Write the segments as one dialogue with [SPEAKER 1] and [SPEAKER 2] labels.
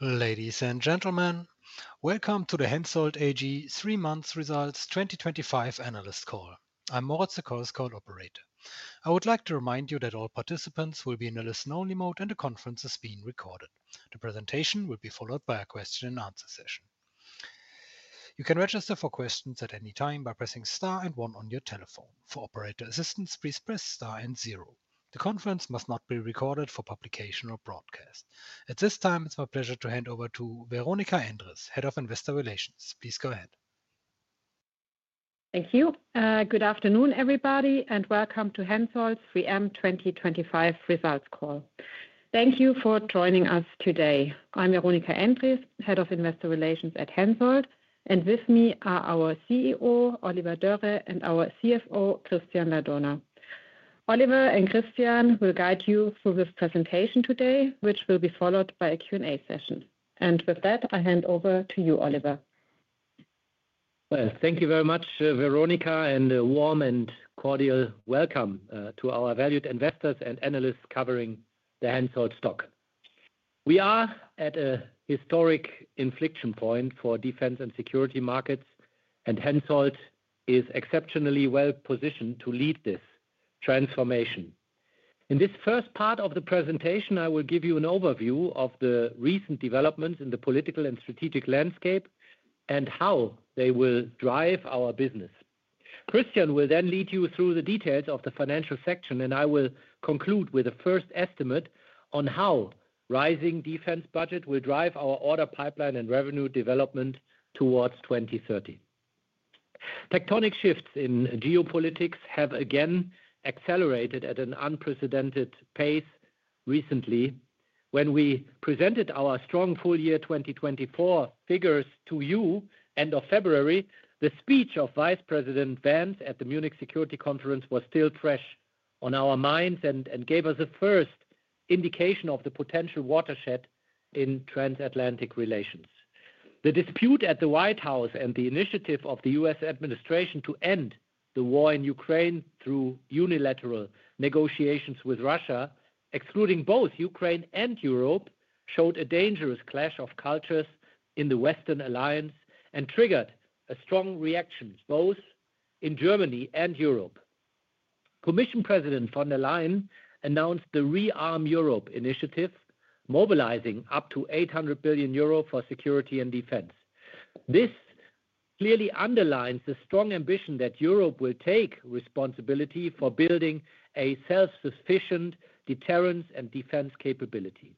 [SPEAKER 1] Ladies and gentlemen, welcome to the Hensoldt AG 3 Months Results 2025 Analyst Call. I'm Moritz, the call's call operator. I would like to remind you that all participants will be in a listen-only mode, and the conference is being recorded. The presentation will be followed by a question-and-answer session. You can register for questions at any time by pressing star and one on your telephone. For operator assistance, please press star and zero. The conference must not be recorded for publication or broadcast. At this time, it's my pleasure to hand over to Veronika Endres, Head of Investor Relations. Please go ahead.
[SPEAKER 2] Thank you. Good afternoon, everybody, and welcome to Hensoldt's 3M 2025 Results Call. Thank you for joining us today. I'm Veronika Endres, Head of Investor Relations at Hensoldt, and with me are our CEO, Oliver Dörre, and our CFO, Christian Ladurner. Oliver and Christian will guide you through this presentation today, which will be followed by a Q&A session. With that, I hand over to you, Oliver.
[SPEAKER 3] Thank you very much, Veronika, and a warm and cordial welcome to our valued investors and analysts covering the Hensoldt stock. We are at a historic inflection point for defense and security markets, and Hensoldt is exceptionally well positioned to lead this transformation. In this first part of the presentation, I will give you an overview of the recent developments in the political and strategic landscape and how they will drive our business. Christian will then lead you through the details of the financial section, and I will conclude with a first estimate on how rising defense budget will drive our order pipeline and revenue development towards 2030. Tectonic shifts in geopolitics have again accelerated at an unprecedented pace recently. When we presented our strong full year 2024 figures to you at the end of February, the speech of Vice President Vance at the Munich Security Conference was still fresh on our minds and gave us a first indication of the potential watershed in transatlantic relations. The dispute at the White House and the initiative of the US administration to end the war in Ukraine through unilateral negotiations with Russia, excluding both Ukraine and Europe, showed a dangerous clash of cultures in the Western alliance and triggered a strong reaction both in Germany and Europe. Commission President von der Leyen announced the ReArm Europe initiative, mobilizing up to 800 billion euro for security and defense. This clearly underlines the strong ambition that Europe will take responsibility for building a self-sufficient deterrence and defense capability.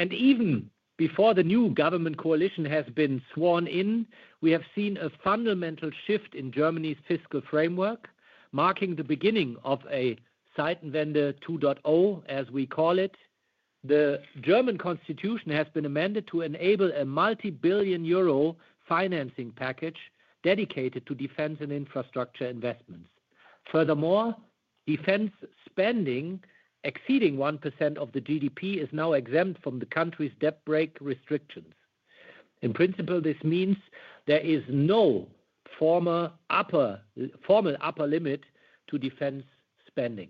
[SPEAKER 3] Even before the new government coalition has been sworn in, we have seen a fundamental shift in Germany's fiscal framework, marking the beginning of a Zeitenwende 2.0, as we call it. The German constitution has been amended to enable a multi-billion EUR financing package dedicated to defense and infrastructure investments. Furthermore, defense spending exceeding 1% of the GDP is now exempt from the country's debt brake restrictions. In principle, this means there is no formal upper limit to defense spending.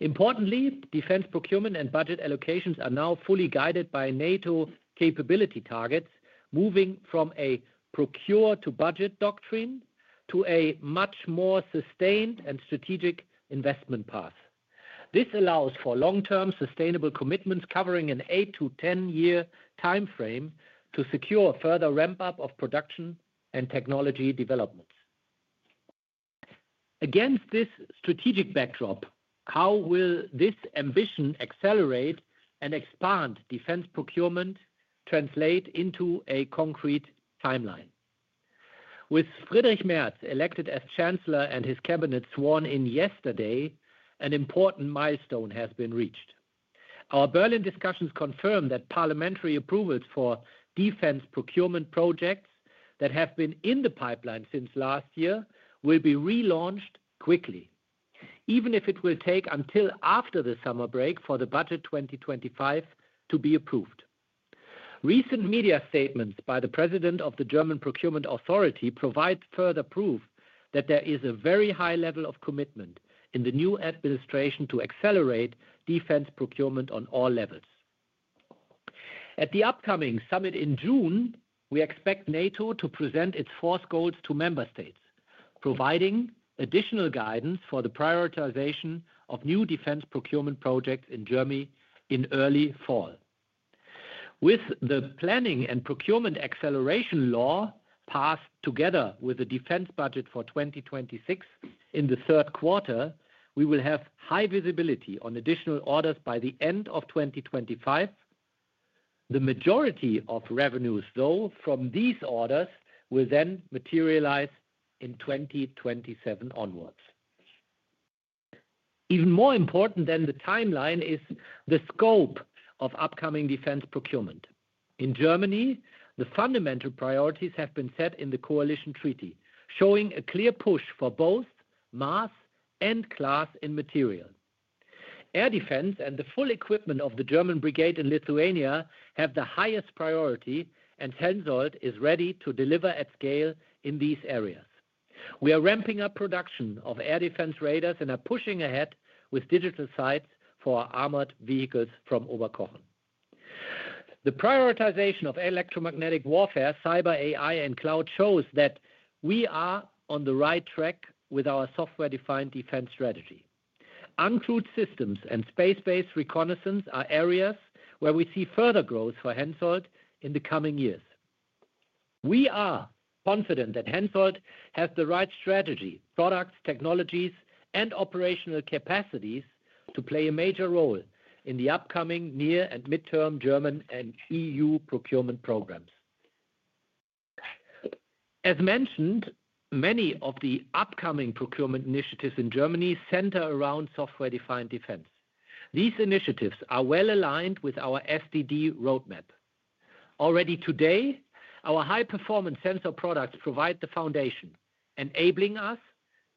[SPEAKER 3] Importantly, defense procurement and budget allocations are now fully guided by NATO capability targets, moving from a procure-to-budget doctrine to a much more sustained and strategic investment path. This allows for long-term sustainable commitments covering an 8-10 year timeframe to secure a further ramp-up of production and technology developments. Against this strategic backdrop, how will this ambition to accelerate and expand defense procurement translate into a concrete timeline? With Friedrich Merz elected as Chancellor and his cabinet sworn in yesterday, an important milestone has been reached. Our Berlin discussions confirm that parliamentary approvals for defense procurement projects that have been in the pipeline since last year will be relaunched quickly, even if it will take until after the summer break for the budget 2025 to be approved. Recent media statements by the President of the German Procurement Authority provide further proof that there is a very high level of commitment in the new administration to accelerate defense procurement on all levels. At the upcoming summit in June, we expect NATO to present its force goals to member states, providing additional guidance for the prioritization of new defense procurement projects in Germany in early fall. With the Planning and Procurement Acceleration Law passed together with the defense budget for 2026 in the third quarter, we will have high visibility on additional orders by the end of 2025. The majority of revenues, though, from these orders will then materialize in 2027 onwards. Even more important than the timeline is the scope of upcoming defense procurement. In Germany, the fundamental priorities have been set in the coalition treaty, showing a clear push for both mass and class in material. Air defense and the full equipment of the German brigade in Lithuania have the highest priority, and Hensoldt is ready to deliver at scale in these areas. We are ramping up production of air defense radars and are pushing ahead with digital sights for armored vehicles from Oberkochen. The prioritization of electromagnetic warfare, cyber AI, and cloud shows that we are on the right track with our software-defined defense strategy. Uncrewed systems and space-based reconnaissance are areas where we see further growth for Hensoldt in the coming years. We are confident that Hensoldt has the right strategy, products, technologies, and operational capacities to play a major role in the upcoming near and midterm German and EU procurement programs. As mentioned, many of the upcoming procurement initiatives in Germany center around software-defined defense. These initiatives are well aligned with our SDD roadmap. Already today, our high-performance sensor products provide the foundation, enabling us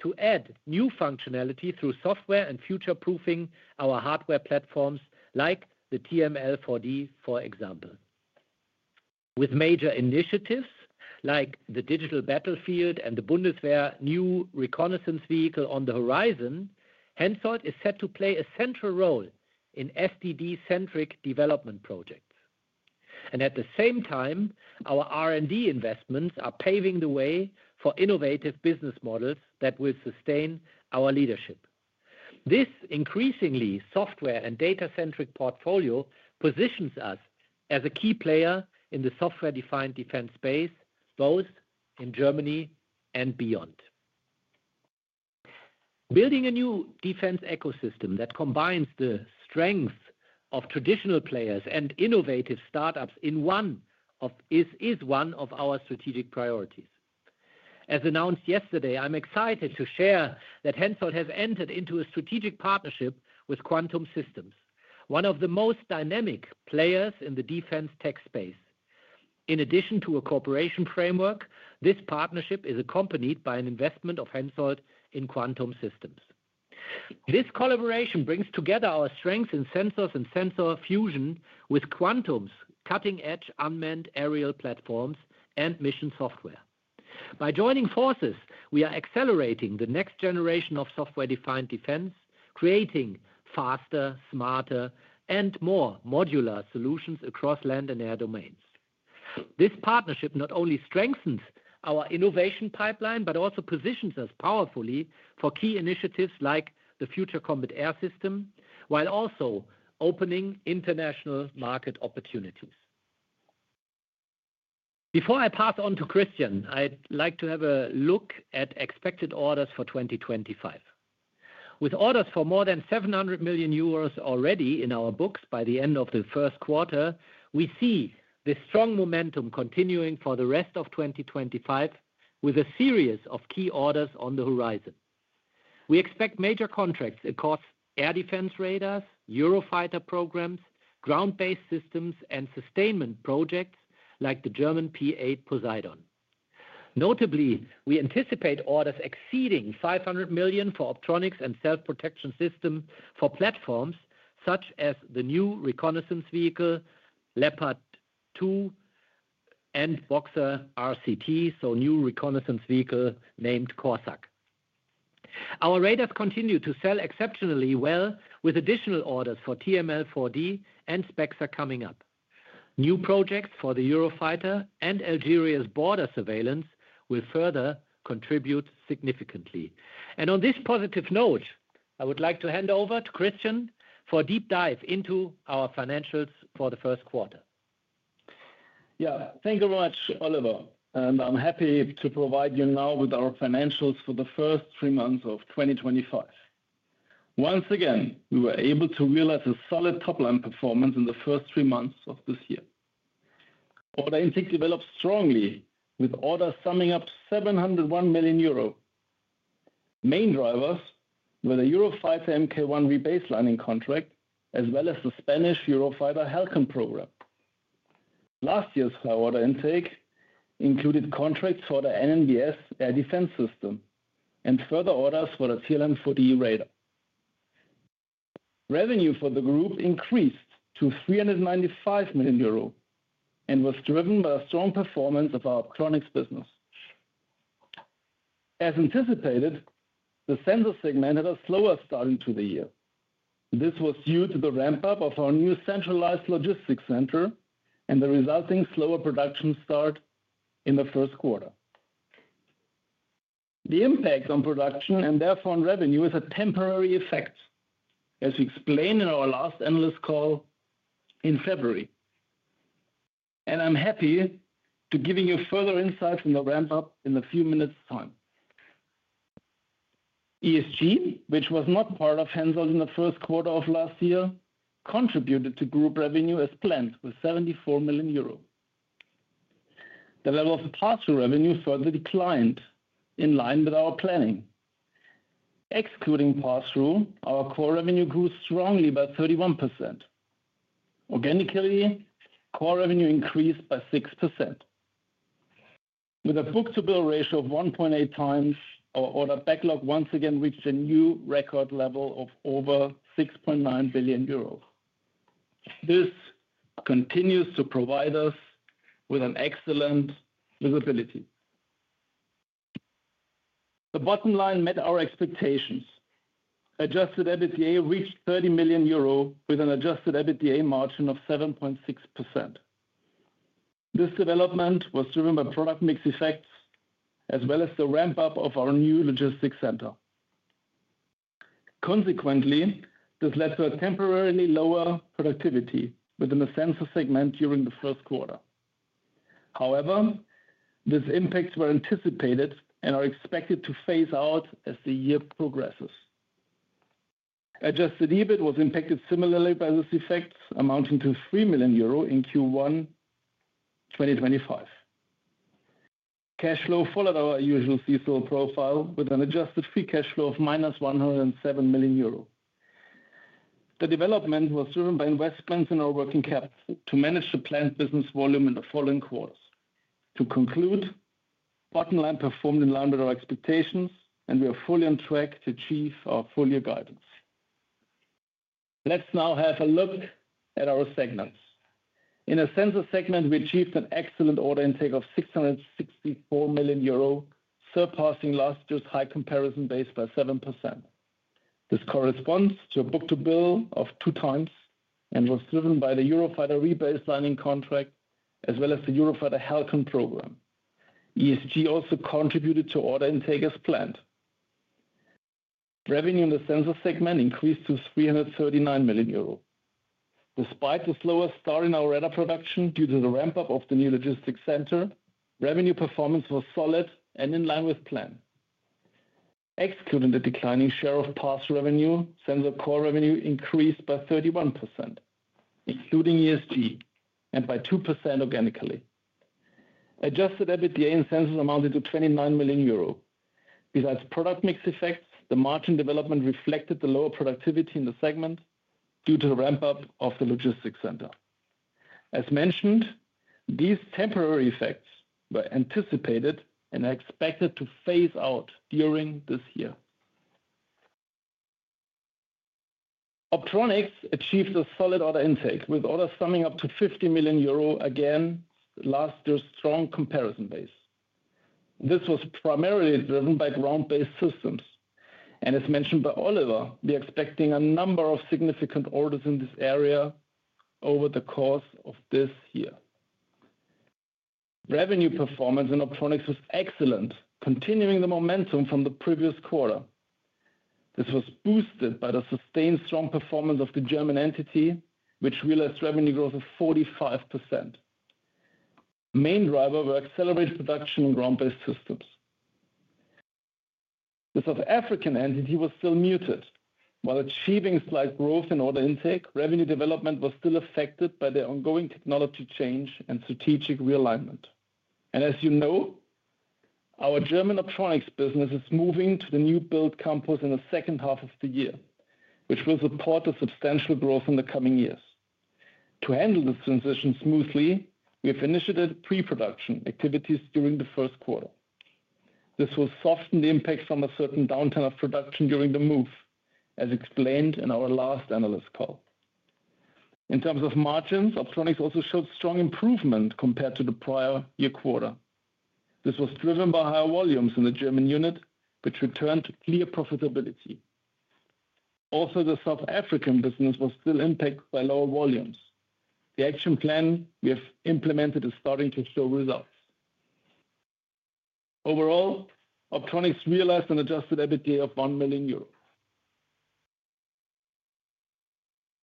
[SPEAKER 3] to add new functionality through software and future-proofing our hardware platforms, like the TRML-4D, for example. With major initiatives like the digital battlefield and the Bundeswehr new reconnaissance vehicle on the horizon, Hensoldt is set to play a central role in SDD-centric development projects. At the same time, our R&D investments are paving the way for innovative business models that will sustain our leadership. This increasingly software and data-centric portfolio positions us as a key player in the software-defined defense space, both in Germany and beyond. Building a new defense ecosystem that combines the strengths of traditional players and innovative startups is one of our strategic priorities. As announced yesterday, I'm excited to share that Hensoldt has entered into a strategic partnership with Quantum Systems, one of the most dynamic players in the defense tech space. In addition to a cooperation framework, this partnership is accompanied by an investment of Hensoldt in Quantum Systems. This collaboration brings together our strengths in sensors and sensor fusion with Quantum's cutting-edge unmanned aerial platforms and mission software. By joining forces, we are accelerating the next generation of software-defined defense, creating faster, smarter, and more modular solutions across land and air domains. This partnership not only strengthens our innovation pipeline but also positions us powerfully for key initiatives like the Future Combat Air System, while also opening international market opportunities. Before I pass on to Christian, I'd like to have a look at expected orders for 2025. With orders for more than 700 million euros already in our books by the end of the first quarter, we see this strong momentum continuing for the rest of 2025, with a series of key orders on the horizon. We expect major contracts across air defense radars, Eurofighter programs, ground-based systems, and sustainment projects like the German P-8 Poseidon. Notably, we anticipate orders exceeding 500 million for optronics and self-protection systems for platforms such as the new reconnaissance vehicle Leopard 2 and Boxer RCT, so new reconnaissance vehicle named KORSAR. Our radars continue to sell exceptionally well, with additional orders for TRML-4D and Spexer coming up. New projects for the Eurofighter and Algeria's border surveillance will further contribute significantly. On this positive note, I would like to hand over to Christian for a deep dive into our financials for the first quarter.
[SPEAKER 4] Yeah, thank you very much, Oliver. I am happy to provide you now with our financials for the first three months of 2025. Once again, we were able to realize a solid top-line performance in the first three months of this year. Order intake developed strongly, with orders summing up to 701 million euro. Main drivers were the Eurofighter Mk1 rebaselining contract, as well as the Spanish Eurofighter Halcon program. Last year's high order intake included contracts for the NNbS air defense system and further orders for the TRML-4D radar. Revenue for the group increased to 395 million euro and was driven by a strong performance of our Optronics business. As anticipated, the Sensors segment had a slower start into the year. This was due to the ramp-up of our new centralized logistics center and the resulting slower production start in the first quarter. The impact on production and therefore on revenue is a temporary effect, as we explained in our last analyst call in February. I am happy to give you further insights on the ramp-up in a few minutes' time. ESG, which was not part of Hensoldt in the first quarter of last year, contributed to group revenue as planned with 74 million euro. The level of pass-through revenue further declined in line with our planning. Excluding pass-through, our core revenue grew strongly by 31%. Organically, core revenue increased by 6%. With a book-to-bill ratio of 1.8x, our order backlog once again reached a new record level of over 6.9 billion euros. This continues to provide us with excellent visibility. The bottom line met our expectations. Adjusted EBITDA reached 30 million euro with an adjusted EBITDA margin of 7.6%. This development was driven by product mix effects, as well as the ramp-up of our new logistics center. Consequently, this led to a temporarily lower productivity within the Sensors segment during the first quarter. However, these impacts were anticipated and are expected to phase out as the year progresses. Adjusted EBIT was impacted similarly by these effects, amounting to 3 million euro in Q1 2025. Cash flow followed our usual seasonal profile with an adjusted free cash flow of 107 million euro. The development was driven by investments in our working capital to manage the planned business volume in the following quarters. To conclude, bottom line performed in line with our expectations, and we are fully on track to achieve our full-year guidance. Let's now have a look at our segments. In the Sensors segment, we achieved an excellent order intake of 664 million euro, surpassing last year's high comparison base by 7%. This corresponds to a book-to-bill of two times and was driven by the Eurofighter rebaselining contract, as well as the Eurofighter Halcon program. ESG also contributed to order intake as planned. Revenue in the Sensors segment increased to 339 million euros. Despite the slower start in our radar production due to the ramp-up of the new logistics center, revenue performance was solid and in line with plan. Excluding the declining share of pass-through revenue, sensor core revenue increased by 31%, including ESG, and by 2% organically. Adjusted EBITDA in Sensors amounted to 29 million euro. Besides product mix effects, the margin development reflected the lower productivity in the segment due to the ramp-up of the logistics center. As mentioned, these temporary effects were anticipated and expected to phase out during this year. Optronics achieved a solid order intake, with orders summing up to 50 million euro against last year's strong comparison base. This was primarily driven by ground-based systems. As mentioned by Oliver, we are expecting a number of significant orders in this area over the course of this year. Revenue performance in optronics was excellent, continuing the momentum from the previous quarter. This was boosted by the sustained strong performance of the German entity, which realized revenue growth of 45%. Main driver were accelerated production and ground-based systems. The South African entity was still muted. While achieving slight growth in order intake, revenue development was still affected by the ongoing technology change and strategic realignment. As you know, our German optronics business is moving to the new build campus in the second half of the year, which will support the substantial growth in the coming years. To handle this transition smoothly, we have initiated pre-production activities during the first quarter. This will soften the impact from a certain downturn of production during the move, as explained in our last analyst call. In terms of margins, optronics also showed strong improvement compared to the prior year quarter. This was driven by higher volumes in the German unit, which returned clear profitability. Also, the South African business was still impacted by lower volumes. The action plan we have implemented is starting to show results. Overall, optronics realized an adjusted EBITDA of 1 million euros.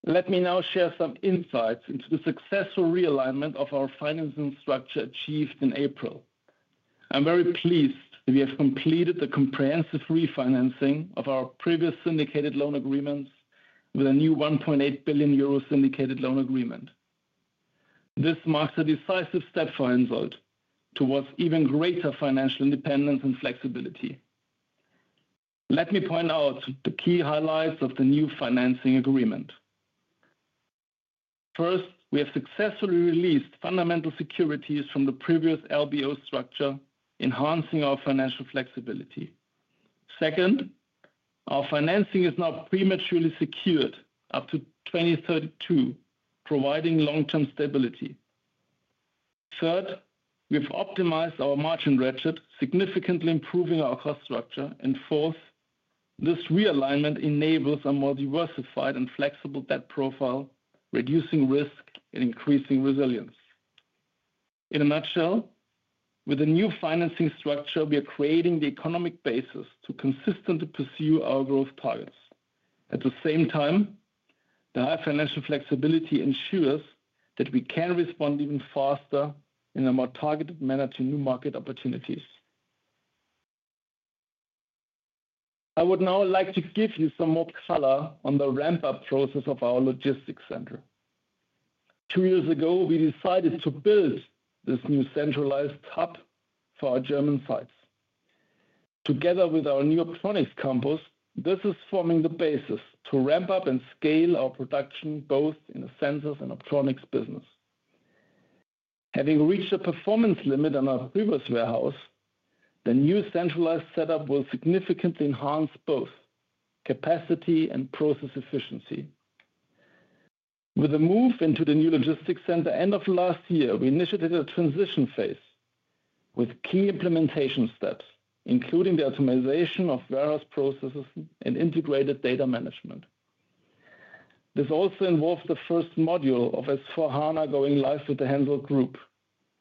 [SPEAKER 4] Let me now share some insights into the successful realignment of our financing structure achieved in April. I'm very pleased that we have completed the comprehensive refinancing of our previous syndicated loan agreements with a new 1.8 billion euro syndicated loan agreement. This marks a decisive step for Hensoldt towards even greater financial independence and flexibility. Let me point out the key highlights of the new financing agreement. First, we have successfully released fundamental securities from the previous LBO structure, enhancing our financial flexibility. Second, our financing is now prematurely secured up to 2032, providing long-term stability. Third, we have optimized our margin ratchet, significantly improving our cost structure. Fourth, this realignment enables a more diversified and flexible debt profile, reducing risk and increasing resilience. In a nutshell, with the new financing structure, we are creating the economic basis to consistently pursue our growth targets. At the same time, the high financial flexibility ensures that we can respond even faster in a more targeted manner to new market opportunities. I would now like to give you some more color on the ramp-up process of our logistics center. Two years ago, we decided to build this new centralized hub for our German sites. Together with our new optronics campus, this is forming the basis to ramp up and scale our production both in the sensors and optronics business. Having reached a performance limit on our previous warehouse, the new centralized setup will significantly enhance both capacity and process efficiency. With the move into the new logistics center end of last year, we initiated a transition phase with key implementation steps, including the optimization of warehouse processes and integrated data management. This also involves the first module of S/4HANA going live with the Hensoldt Group,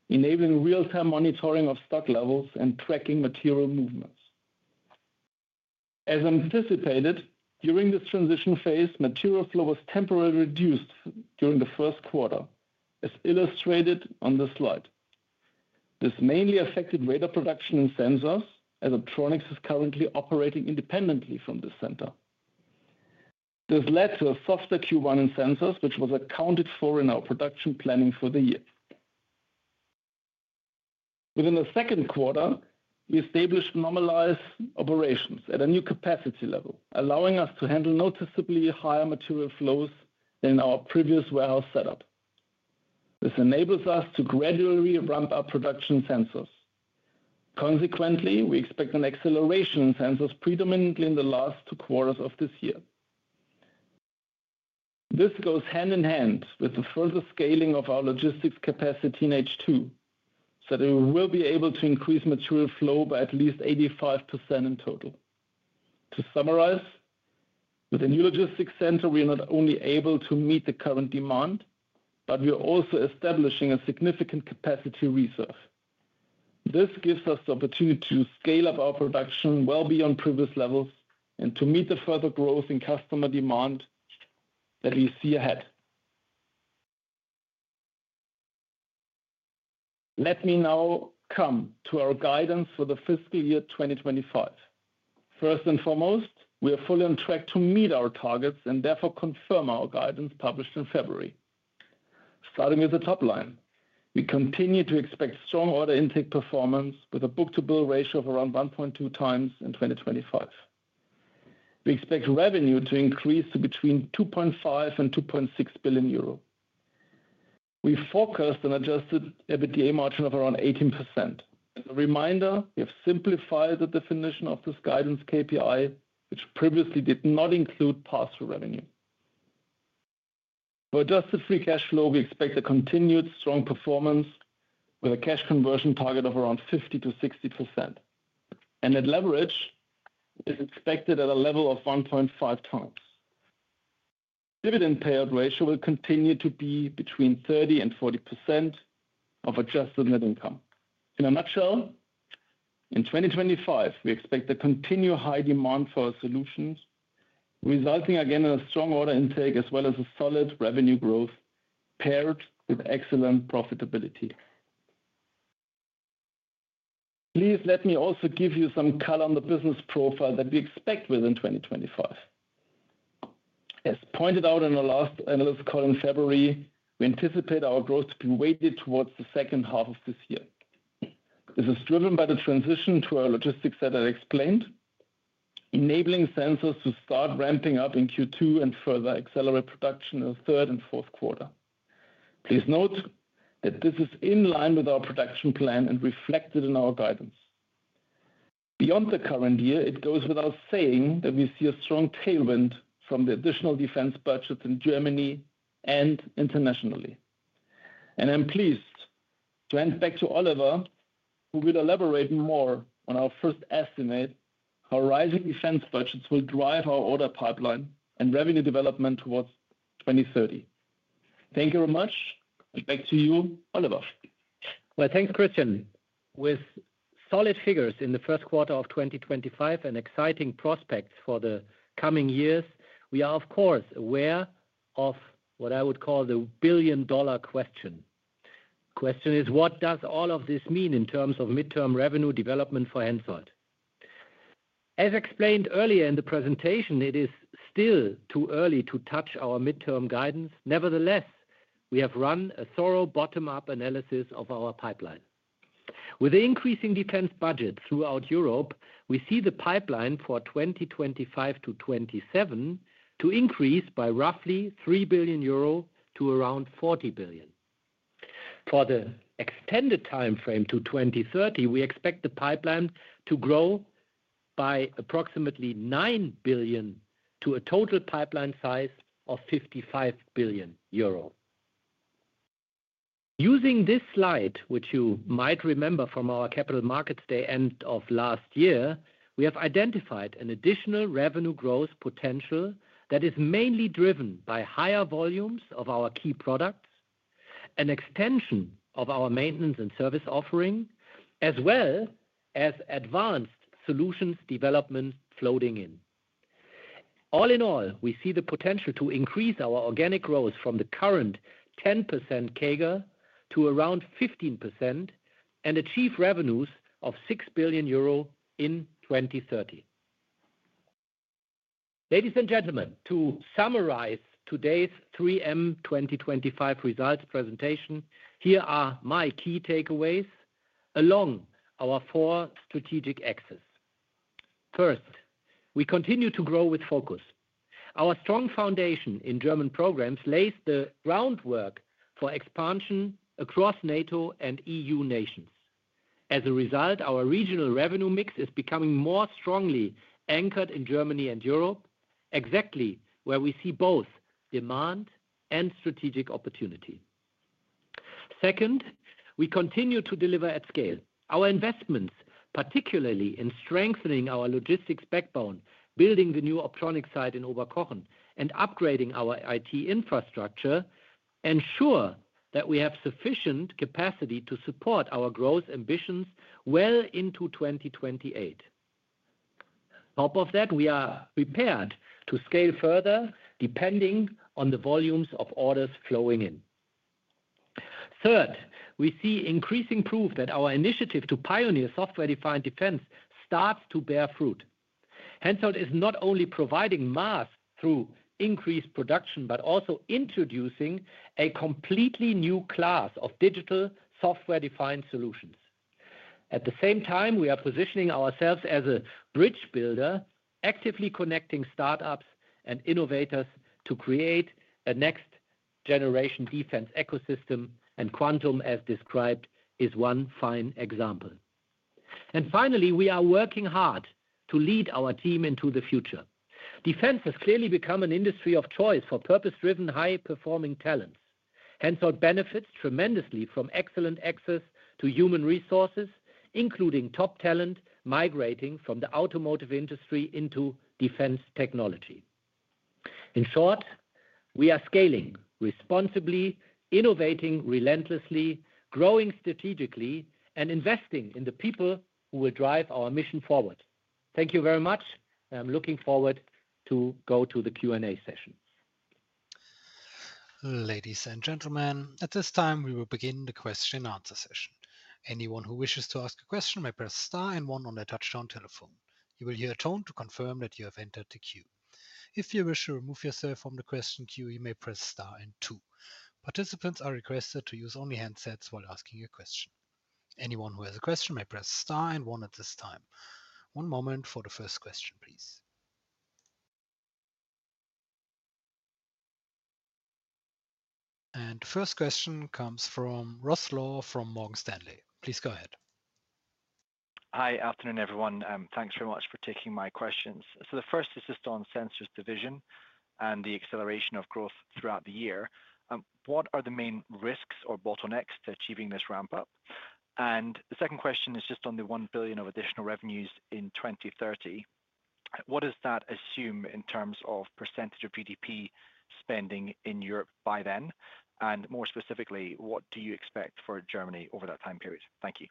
[SPEAKER 4] enabling real-time monitoring of stock levels and tracking material movements. As anticipated, during this transition phase, material flow was temporarily reduced during the first quarter, as illustrated on the slide. This mainly affected radar production and sensors, as optronics is currently operating independently from the center. This led to a softer Q1 in sensors, which was accounted for in our production planning for the year. Within the second quarter, we established normalized operations at a new capacity level, allowing us to handle noticeably higher material flows than in our previous warehouse setup. This enables us to gradually ramp up production sensors. Consequently, we expect an acceleration in sensors predominantly in the last two quarters of this year. This goes hand in hand with the further scaling of our logistics capacity in H2, so that we will be able to increase material flow by at least 85% in total. To summarize, with a new logistics center, we are not only able to meet the current demand, but we are also establishing a significant capacity reserve. This gives us the opportunity to scale up our production well beyond previous levels and to meet the further growth in customer demand that we see ahead. Let me now come to our guidance for the fiscal year 2025. First and foremost, we are fully on track to meet our targets and therefore confirm our guidance published in February. Starting with the top line, we continue to expect strong order intake performance with a book-to-bill ratio of around 1.2x in 2025. We expect revenue to increase to between 2.5 billion and 2.6 billion euro. We focused on adjusted EBITDA margin of around 18%. As a reminder, we have simplified the definition of this guidance KPI, which previously did not include pass-through revenue. For adjusted free cash flow, we expect a continued strong performance with a cash conversion target of around 50%-60%. At leverage, it is expected at a level of 1.5x. Dividend payout ratio will continue to be between 30%-40% of adjusted net income. In a nutshell, in 2025, we expect the continued high demand for our solutions, resulting again in a strong order intake as well as solid revenue growth paired with excellent profitability. Please let me also give you some color on the business profile that we expect within 2025. As pointed out in our last analyst call in February, we anticipate our growth to be weighted towards the second half of this year. This is driven by the transition to our logistics that I explained, enabling sensors to start ramping up in Q2 and further accelerate production in the third and fourth quarter. Please note that this is in line with our production plan and reflected in our guidance. Beyond the current year, it goes without saying that we see a strong tailwind from the additional defense budgets in Germany and internationally. I am pleased to hand back to Oliver, who will elaborate more on our first estimate of how rising defense budgets will drive our order pipeline and revenue development towards 2030. Thank you very much. Back to you, Oliver.
[SPEAKER 3] Thanks, Christian. With solid figures in the first quarter of 2025 and exciting prospects for the coming years, we are, of course, aware of what I would call the billion-dollar question. The question is, what does all of this mean in terms of midterm revenue development for Hensoldt? As explained earlier in the presentation, it is still too early to touch our midterm guidance. Nevertheless, we have run a thorough bottom-up analysis of our pipeline. With the increasing defense budget throughout Europe, we see the pipeline for 2025 to 2027 to increase by roughly 3 billion euro to around 40 billion. For the extended timeframe to 2030, we expect the pipeline to grow by approximately 9 billion to a total pipeline size of 55 billion euro. Using this slide, which you might remember from our capital markets day end of last year, we have identified an additional revenue growth potential that is mainly driven by higher volumes of our key products, an extension of our maintenance and service offering, as well as advanced solutions development floating in. All in all, we see the potential to increase our organic growth from the current 10% CAGR to around 15% and achieve revenues of 6 billion euro in 2030. Ladies and gentlemen, to summarize today's 3M 2025 results presentation, here are my key takeaways along our four strategic axes. First, we continue to grow with focus. Our strong foundation in German programs lays the groundwork for expansion across NATO and EU nations. As a result, our regional revenue mix is becoming more strongly anchored in Germany and Europe, exactly where we see both demand and strategic opportunity. Second, we continue to deliver at scale. Our investments, particularly in strengthening our logistics backbone, building the new optronics site in Oberkochen and upgrading our IT infrastructure, ensure that we have sufficient capacity to support our growth ambitions well into 2028. On top of that, we are prepared to scale further depending on the volumes of orders flowing in. Third, we see increasing proof that our initiative to pioneer software-defined defense starts to bear fruit. Hensoldt is not only providing mass through increased production, but also introducing a completely new class of digital software-defined solutions. At the same time, we are positioning ourselves as a bridge builder, actively connecting startups and innovators to create a next-generation defense ecosystem, and Quantum, as described, is one fine example. Finally, we are working hard to lead our team into the future. Defense has clearly become an industry of choice for purpose-driven, high-performing talents. Hensoldt benefits tremendously from excellent access to human resources, including top talent migrating from the automotive industry into defense technology. In short, we are scaling responsibly, innovating relentlessly, growing strategically, and investing in the people who will drive our mission forward. Thank you very much, and I'm looking forward to going to the Q&A session.
[SPEAKER 1] Ladies and gentlemen, at this time, we will begin the question-and-answer session. Anyone who wishes to ask a question may press star and one on their touch-tone telephone. You will hear a tone to confirm that you have entered the queue. If you wish to remove yourself from the question queue, you may press star and two. Participants are requested to use only handsets while asking a question. Anyone who has a question may press star and one at this time. One moment for the first question, please. The first question comes from Ross Law from Morgan Stanley. Please go ahead.
[SPEAKER 5] Hi, afternoon, everyone. Thanks very much for taking my questions. The first is just on Sensors division and the acceleration of growth throughout the year. What are the main risks or bottlenecks to achieving this ramp-up? The second question is just on the 1 billion of additional revenues in 2030. What does that assume in terms of % of GDP spending in Europe by then? More specifically, what do you expect for Germany over that time period?
[SPEAKER 4] Thank you.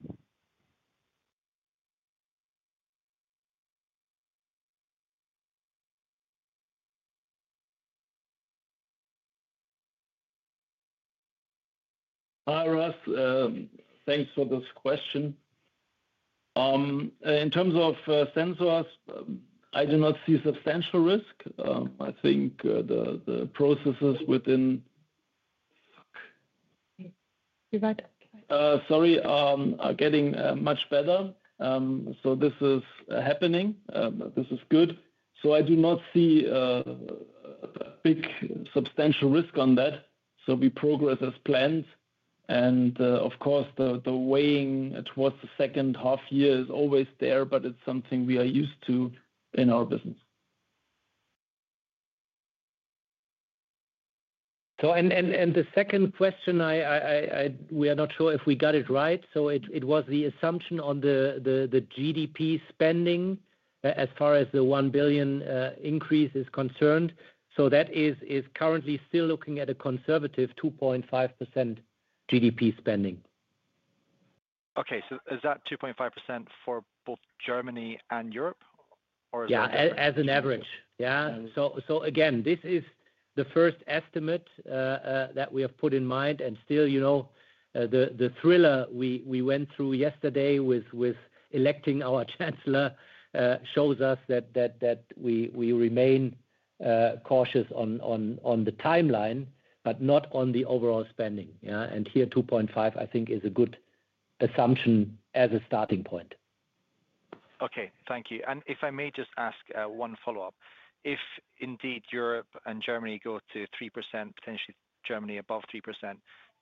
[SPEAKER 4] Hi, Ross. Thanks for this question. In terms of sensors, I do not see substantial risk. I think the processes within—sorry—are getting much better. This is happening. This is good. I do not see a big substantial risk on that. We progress as planned. Of course, the weighing towards the second half year is always there, but it is something we are used to in our business. The second question, we are not sure if we got it right. It was the assumption on the GDP spending as far as the 1 billion increase is concerned. That is currently still looking at a conservative 2.5% GDP spending. Okay. Is that 2.5% for both Germany and Europe? Or is that—yeah, as an average. Yeah. Again, this is the first estimate that we have put in mind. Still, you know, the thriller we went through yesterday with electing our Chancellor shows us that we remain cautious on the timeline, but not on the overall spending. Yeah. Here, 2.5, I think, is a good assumption as a starting point.
[SPEAKER 5] Okay. Thank you. If I may just ask one follow-up. If indeed Europe and Germany go to 3%, potentially Germany above 3%,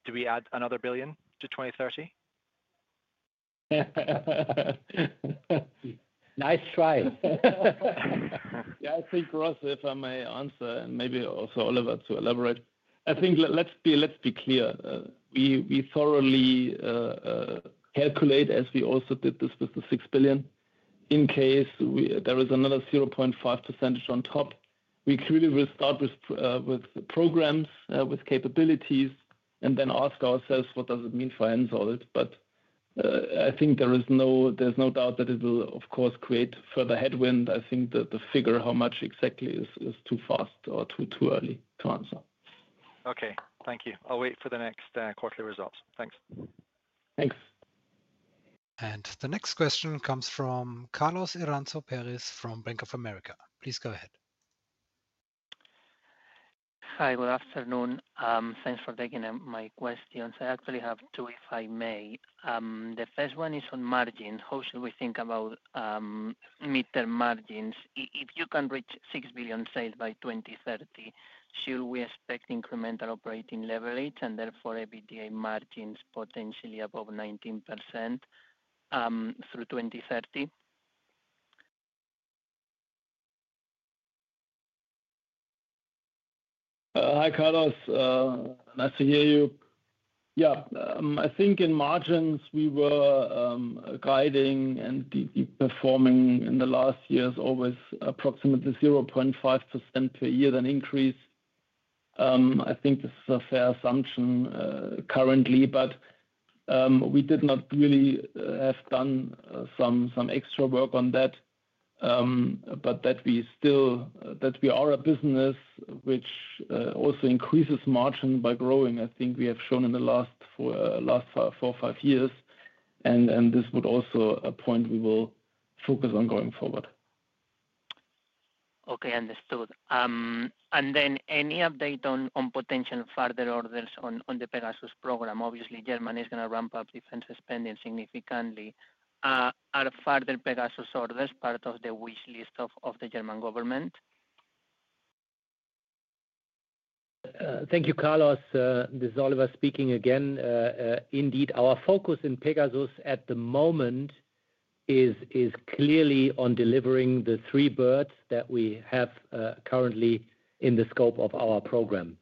[SPEAKER 5] do we add another billion to 2030?
[SPEAKER 4] Nice try. Yeah, I think, Ross, if I may answer, and maybe also Oliver to elaborate. I think let's be clear. We thoroughly calculate, as we also did this with the 6 billion, in case there is another 0.5% on top. We clearly will start with programs, with capabilities, and then ask ourselves, what does it mean for Hensoldt? I think there is no doubt that it will, of course, create further headwind. I think the figure, how much exactly, is too fast or too early to answer.
[SPEAKER 5] Okay. Thank you. I'll wait for the next quarterly results.
[SPEAKER 4] Thanks.
[SPEAKER 1] Thanks. The next question comes from Carlos Iranzo Peris from Bank of America. Please go ahead.
[SPEAKER 6] Hi. Good afternoon. Thanks for taking my questions. I actually have two, if I may. The first one is on margin. How should we think about midterm margins? If you can reach 6 billion by 2030, should we expect incremental operating leverage and therefore EBITDA margins potentially above 19% through 2030?
[SPEAKER 3] Hi, Carlos. Nice to hear you. Yeah. I think in margins, we were guiding and performing in the last years always approximately 0.5% per year than increase. I think this is a fair assumption currently, but we did not really have done some extra work on that. That we are a business which also increases margin by growing, I think we have shown in the last four or five years. This would also be a point we will focus on going forward.
[SPEAKER 6] Okay. Understood. Any update on potential further orders on the Pegasus program? Obviously, Germany is going to ramp up defense spending significantly. Are further Pegasus orders part of the wish list of the German government?
[SPEAKER 3] Thank you, Carlos. This is Oliver speaking again. Indeed, our focus in Pegasus at the moment is clearly on delivering the three birds that we have currently in the scope of our program.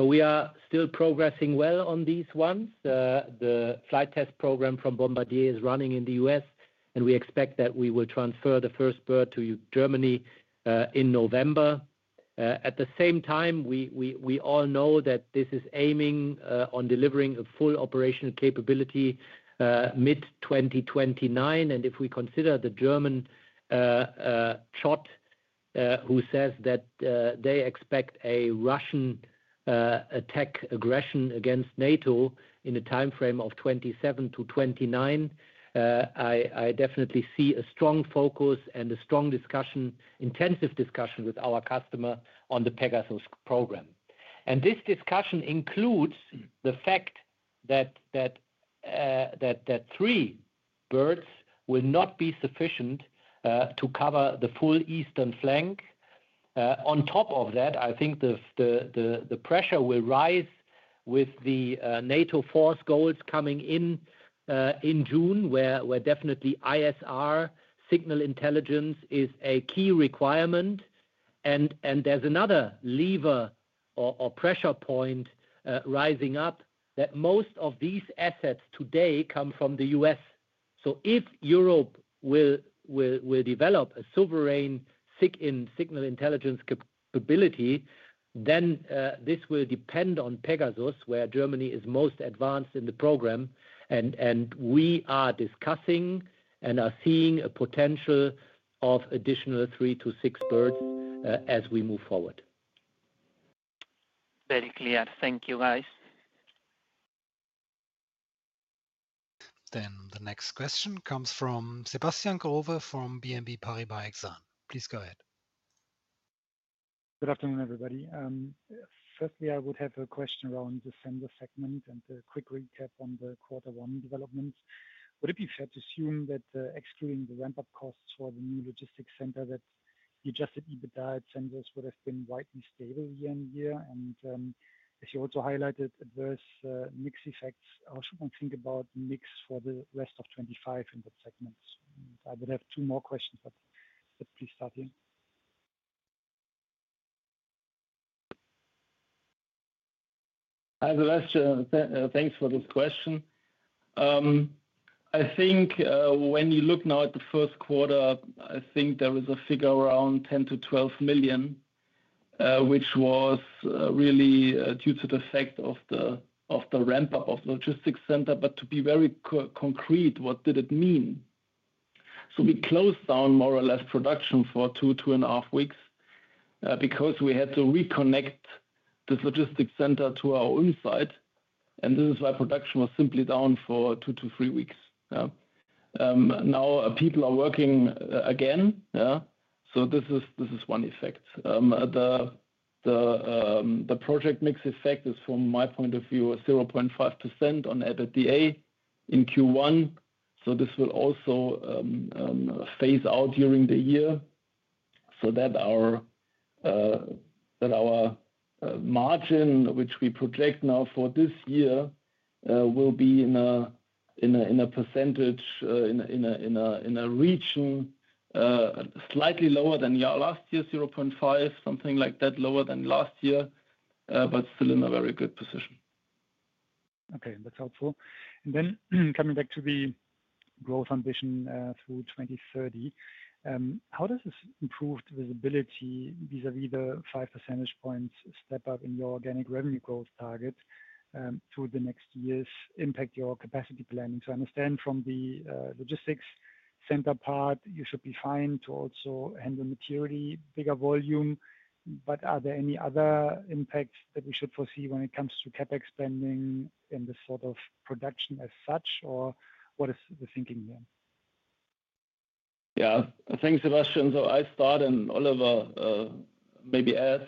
[SPEAKER 3] We are still progressing well on these ones. The flight test program from Bombardier is running in the U.S., and we expect that we will transfer the first bird to Germany in November. At the same time, we all know that this is aiming on delivering a full operational capability mid-2029. If we consider the German chart who says that they expect a Russian attack aggression against NATO in a timeframe of 2027 to 2029, I definitely see a strong focus and a strong discussion, intensive discussion with our customer on the Pegasus program. This discussion includes the fact that three birds will not be sufficient to cover the full eastern flank. On top of that, I think the pressure will rise with the NATO force goals coming in June, where definitely ISR, signal intelligence, is a key requirement. There is another lever or pressure point rising up that most of these assets today come from the United States. If Europe will develop a sovereign signal intelligence capability, then this will depend on Pegasus, where Germany is most advanced in the program. We are discussing and are seeing a potential of additional three to six birds as we move forward.
[SPEAKER 6] Very clear. Thank you, guys.
[SPEAKER 1] The next question comes from Sebastian Growe from BNP Paribas Exane. Please go ahead.
[SPEAKER 7] Good afternoon, everybody. Firstly, I would have a question around the Sensors segment and a quick recap on the quarter one developments. Would it be fair to assume that excluding the ramp-up costs for the new logistics center, that the adjusted EBITDA Sensors would have been widely stable year on year? As you also highlighted, adverse mix effects, how should one think about mix for the rest of 2025 in that segment? I would have two more questions, but please start here.
[SPEAKER 4] Thanks for this question. I think when you look now at the first quarter, I think there was a figure around 10 million-12 million, which was really due to the fact of the ramp-up of the logistics center. To be very concrete, what did it mean? We closed down more or less production for two to two and a half weeks because we had to reconnect the logistics center to our own site. This is why production was simply down for two to three weeks. Now people are working again. This is one effect. The project mix effect is, from my point of view, 0.5% on EBITDA in Q1. This will also phase out during the year so that our margin, which we project now for this year, will be in a percentage, in a region slightly lower than last year, 0.5, something like that, lower than last year, but still in a very good position.
[SPEAKER 7] Okay. That's helpful. Coming back to the growth ambition through 2030, how does this improved visibility vis-à-vis the five percentage points step up in your organic revenue growth target through the next years impact your capacity planning? I understand from the logistics center part, you should be fine to also handle materially bigger volume. Are there any other impacts that we should foresee when it comes to CapEx spending in this sort of production as such, or what is the thinking here?
[SPEAKER 4] Yeah. Thanks, Sebastian. I'll start, and Oliver maybe adds.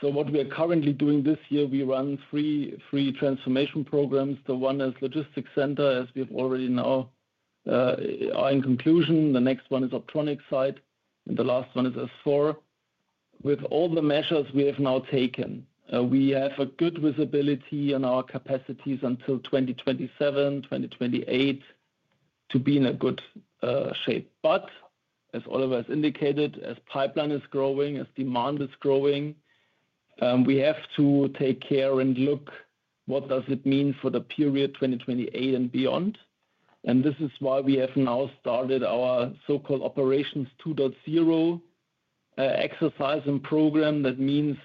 [SPEAKER 4] What we are currently doing this year, we run three transformation programs. The one is logistics center, as we have already now are in conclusion. The next one is optronics site. The last one is S4. With all the measures we have now taken, we have good visibility on our capacities until 2027, 2028 to be in a good shape. As Oliver has indicated, as pipeline is growing, as demand is growing, we have to take care and look what does it mean for the period 2028 and beyond. This is why we have now started our so-called Operations 2.0 exercise and program. That means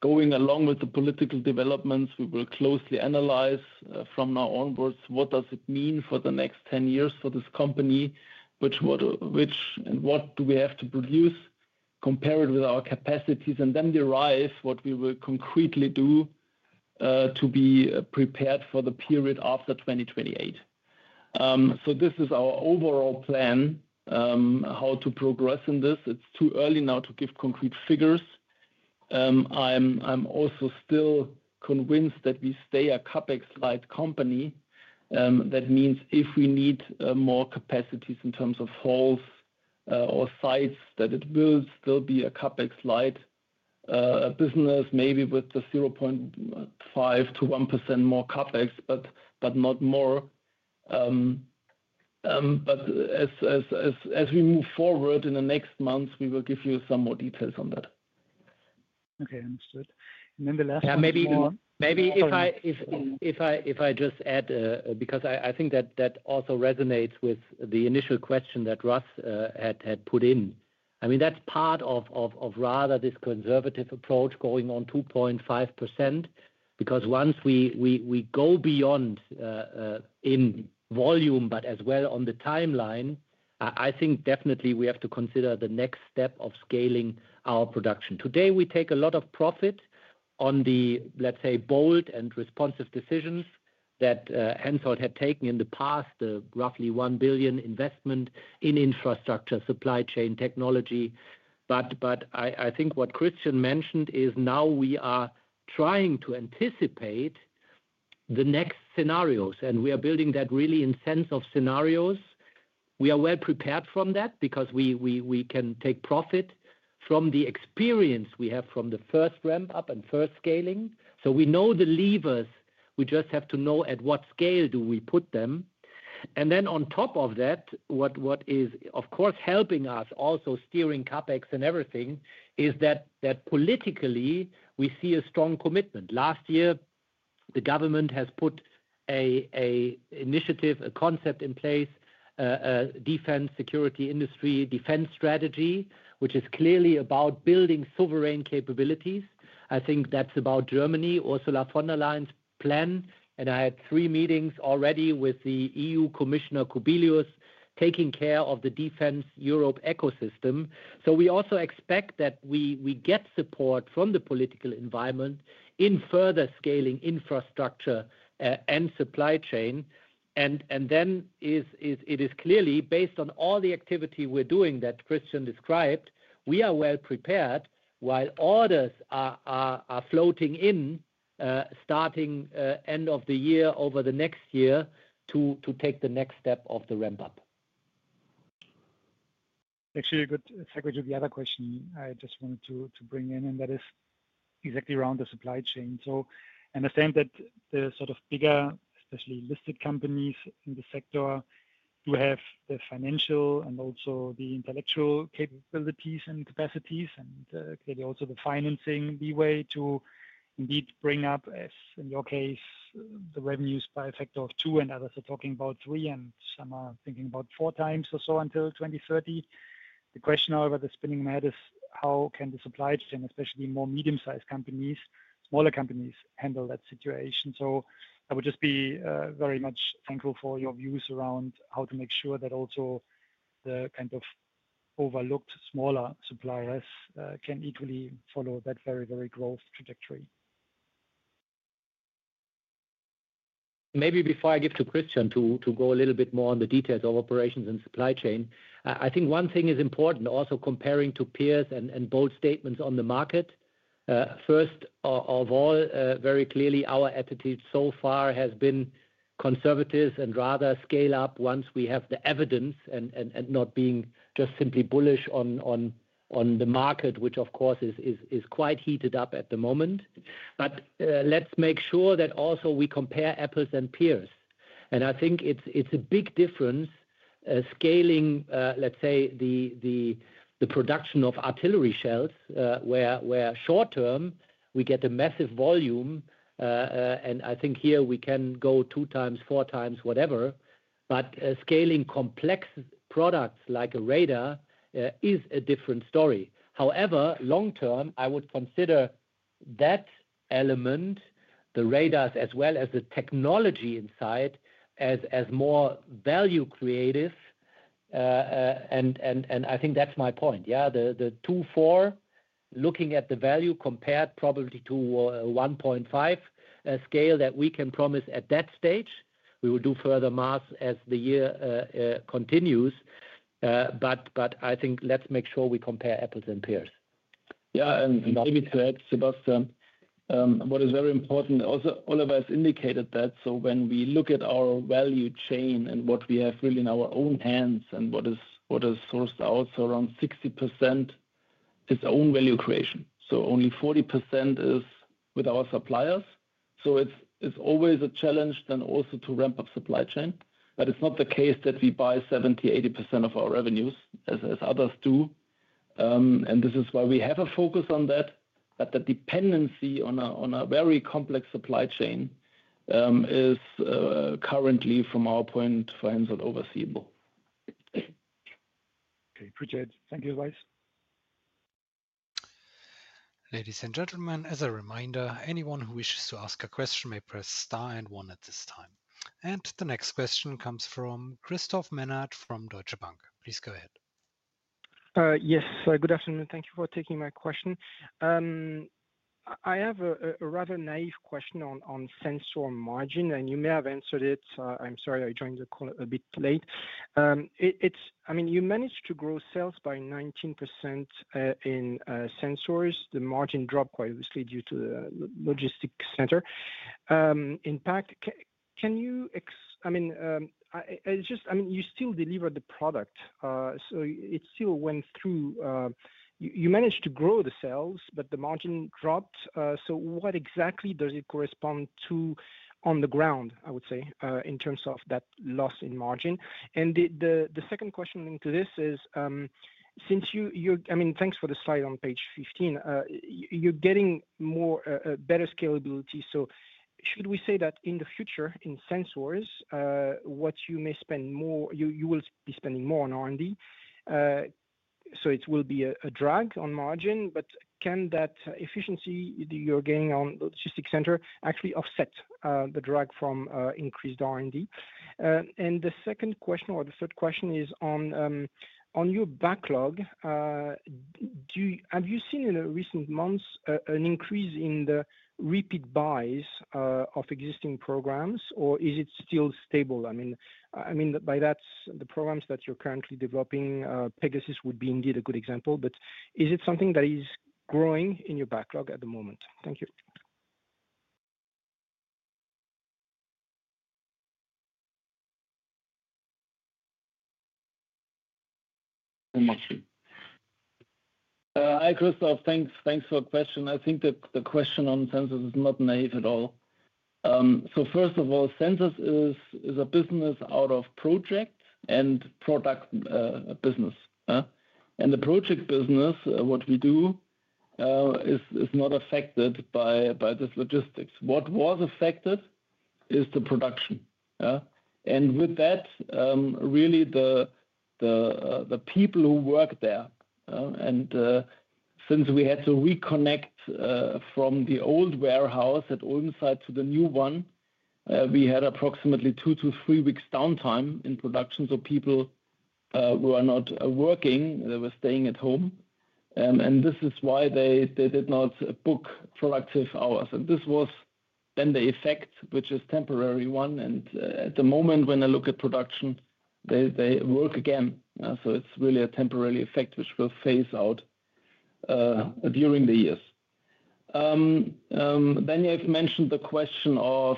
[SPEAKER 4] going along with the political developments, we will closely analyze from now onwards what does it mean for the next 10 years for this company, and what do we have to produce, compare it with our capacities, and then derive what we will concretely do to be prepared for the period after 2028. This is our overall plan, how to progress in this. It's too early now to give concrete figures. I'm also still convinced that we stay a CapEx-like company. That means if we need more capacities in terms of halls or sites, that it will still be a CapEx-like business, maybe with the 0.5-1% more CapEx, but not more. As we move forward in the next months, we will give you some more details on that.
[SPEAKER 7] Okay. Understood. The last question is on—
[SPEAKER 3] Yeah, maybe if I just add, because I think that also resonates with the initial question that Ross had put in. I mean, that's part of rather this conservative approach going on 2.5%, because once we go beyond in volume, but as well on the timeline, I think definitely we have to consider the next step of scaling our production. Today, we take a lot of profit on the, let's say, bold and responsive decisions that Hensoldt had taken in the past, the roughly 1 billion investment in infrastructure, supply chain, technology. I think what Christian mentioned is now we are trying to anticipate the next scenarios. We are building that really in sense of scenarios. We are well prepared from that because we can take profit from the experience we have from the first ramp-up and first scaling. We know the levers. We just have to know at what scale do we put them. On top of that, what is, of course, helping us also steering CapEx and everything is that politically, we see a strong commitment. Last year, the government has put an initiative, a concept in place, a defense security industry defense strategy, which is clearly about building sovereign capabilities. I think that's about Germany, Ursula von der Leyen's plan. I had three meetings already with the EU Commissioner Kubilius taking care of the defense Europe ecosystem. We also expect that we get support from the political environment in further scaling infrastructure and supply chain. It is clearly based on all the activity we're doing that Christian described, we are well prepared while orders are floating in starting end of the year over the next year to take the next step of the ramp-up.
[SPEAKER 7] Actually, a good segue to the other question I just wanted to bring in, and that is exactly around the supply chain. I understand that the sort of bigger, especially listed companies in the sector do have the financial and also the intellectual capabilities and capacities, and clearly also the financing leeway to indeed bring up, as in your case, the revenues by a factor of two, and others are talking about three, and some are thinking about four times or so until 2030. The question over the spinning mat is how can the supply chain, especially more medium-sized companies, smaller companies handle that situation? I would just be very much thankful for your views around how to make sure that also the kind of overlooked smaller suppliers can equally follow that very, very growth trajectory. Maybe before I give to Christian to go a little bit more on the details of operations and supply chain, I think one thing is important, also comparing to peers and bold statements on the market. First of all, very clearly, our attitude so far has been conservative and rather scale up once we have the evidence and not being just simply bullish on the market, which of course is quite heated up at the moment. Let's make sure that also we compare apples and peers. I think it's a big difference scaling, let's say, the production of artillery shells where short-term we get a massive volume. I think here we can go 2x, 4x, whatever. Scaling complex products like a radar is a different story. However, long-term, I would consider that element, the radars as well as the technology inside as more value creative. I think that's my point. Yeah, the 2.4, looking at the value compared probably to a 1.5 scale that we can promise at that stage, we will do further mass as the year continues. I think let's make sure we compare apples and peers.
[SPEAKER 4] Yeah. Maybe to add, Sebastian, what is very important, also Oliver has indicated that. When we look at our value chain and what we have really in our own hands and what is sourced out, around 60% is own value creation. Only 40% is with our suppliers. It is always a challenge then also to ramp up supply chain. It is not the case that we buy 70%-80% of our revenues as others do. This is why we have a focus on that. The dependency on a very complex supply chain is currently, from our point, for Hensoldt, overseable.
[SPEAKER 7] Okay. Appreciate it. Thank you, guys.
[SPEAKER 1] Ladies and gentlemen, as a reminder, anyone who wishes to ask a question may press star and one at this time. The next question comes from Christophe Menard from Deutsche Bank. Please go ahead.
[SPEAKER 8] Yes. Good afternoon. Thank you for taking my question. I have a rather naive question on sensor margin, and you may have answered it. I am sorry, I joined the call a bit late. I mean, you managed to grow sales by 19% in sensors. The margin dropped quite obviously due to the logistics center. In fact, can you—I mean, I just—I mean, you still deliver the product. It still went through. You managed to grow the sales, but the margin dropped. What exactly does it correspond to on the ground, I would say, in terms of that loss in margin? The second question linked to this is, since you—I mean, thanks for the slide on page 15. You're getting better scalability. Should we say that in the future, in sensors, what you may spend more, you will be spending more on R&D? It will be a drag on margin. Can that efficiency you're gaining on the logistics center actually offset the drag from increased R&D? The second question or the third question is on your backlog. Have you seen in the recent months an increase in the repeat buys of existing programs, or is it still stable? I mean, by that, the programs that you're currently developing, Pegasus would be indeed a good example. Is it something that is growing in your backlog at the moment?
[SPEAKER 4] Thank you. Hi, Christoph. Thanks for the question. I think that the question on sensors is not naive at all. First of all, sensors is a business out of project and product business. The project business, what we do, is not affected by this logistics. What was affected is the production. With that, really, the people who work there. Since we had to reconnect from the old warehouse at Ulm site to the new one, we had approximately two to three weeks downtime in production. People were not working. They were staying at home. This is why they did not book productive hours. This was then the effect, which is a temporary one. At the moment, when I look at production, they work again. It is really a temporary effect, which will phase out during the years. You have mentioned the question of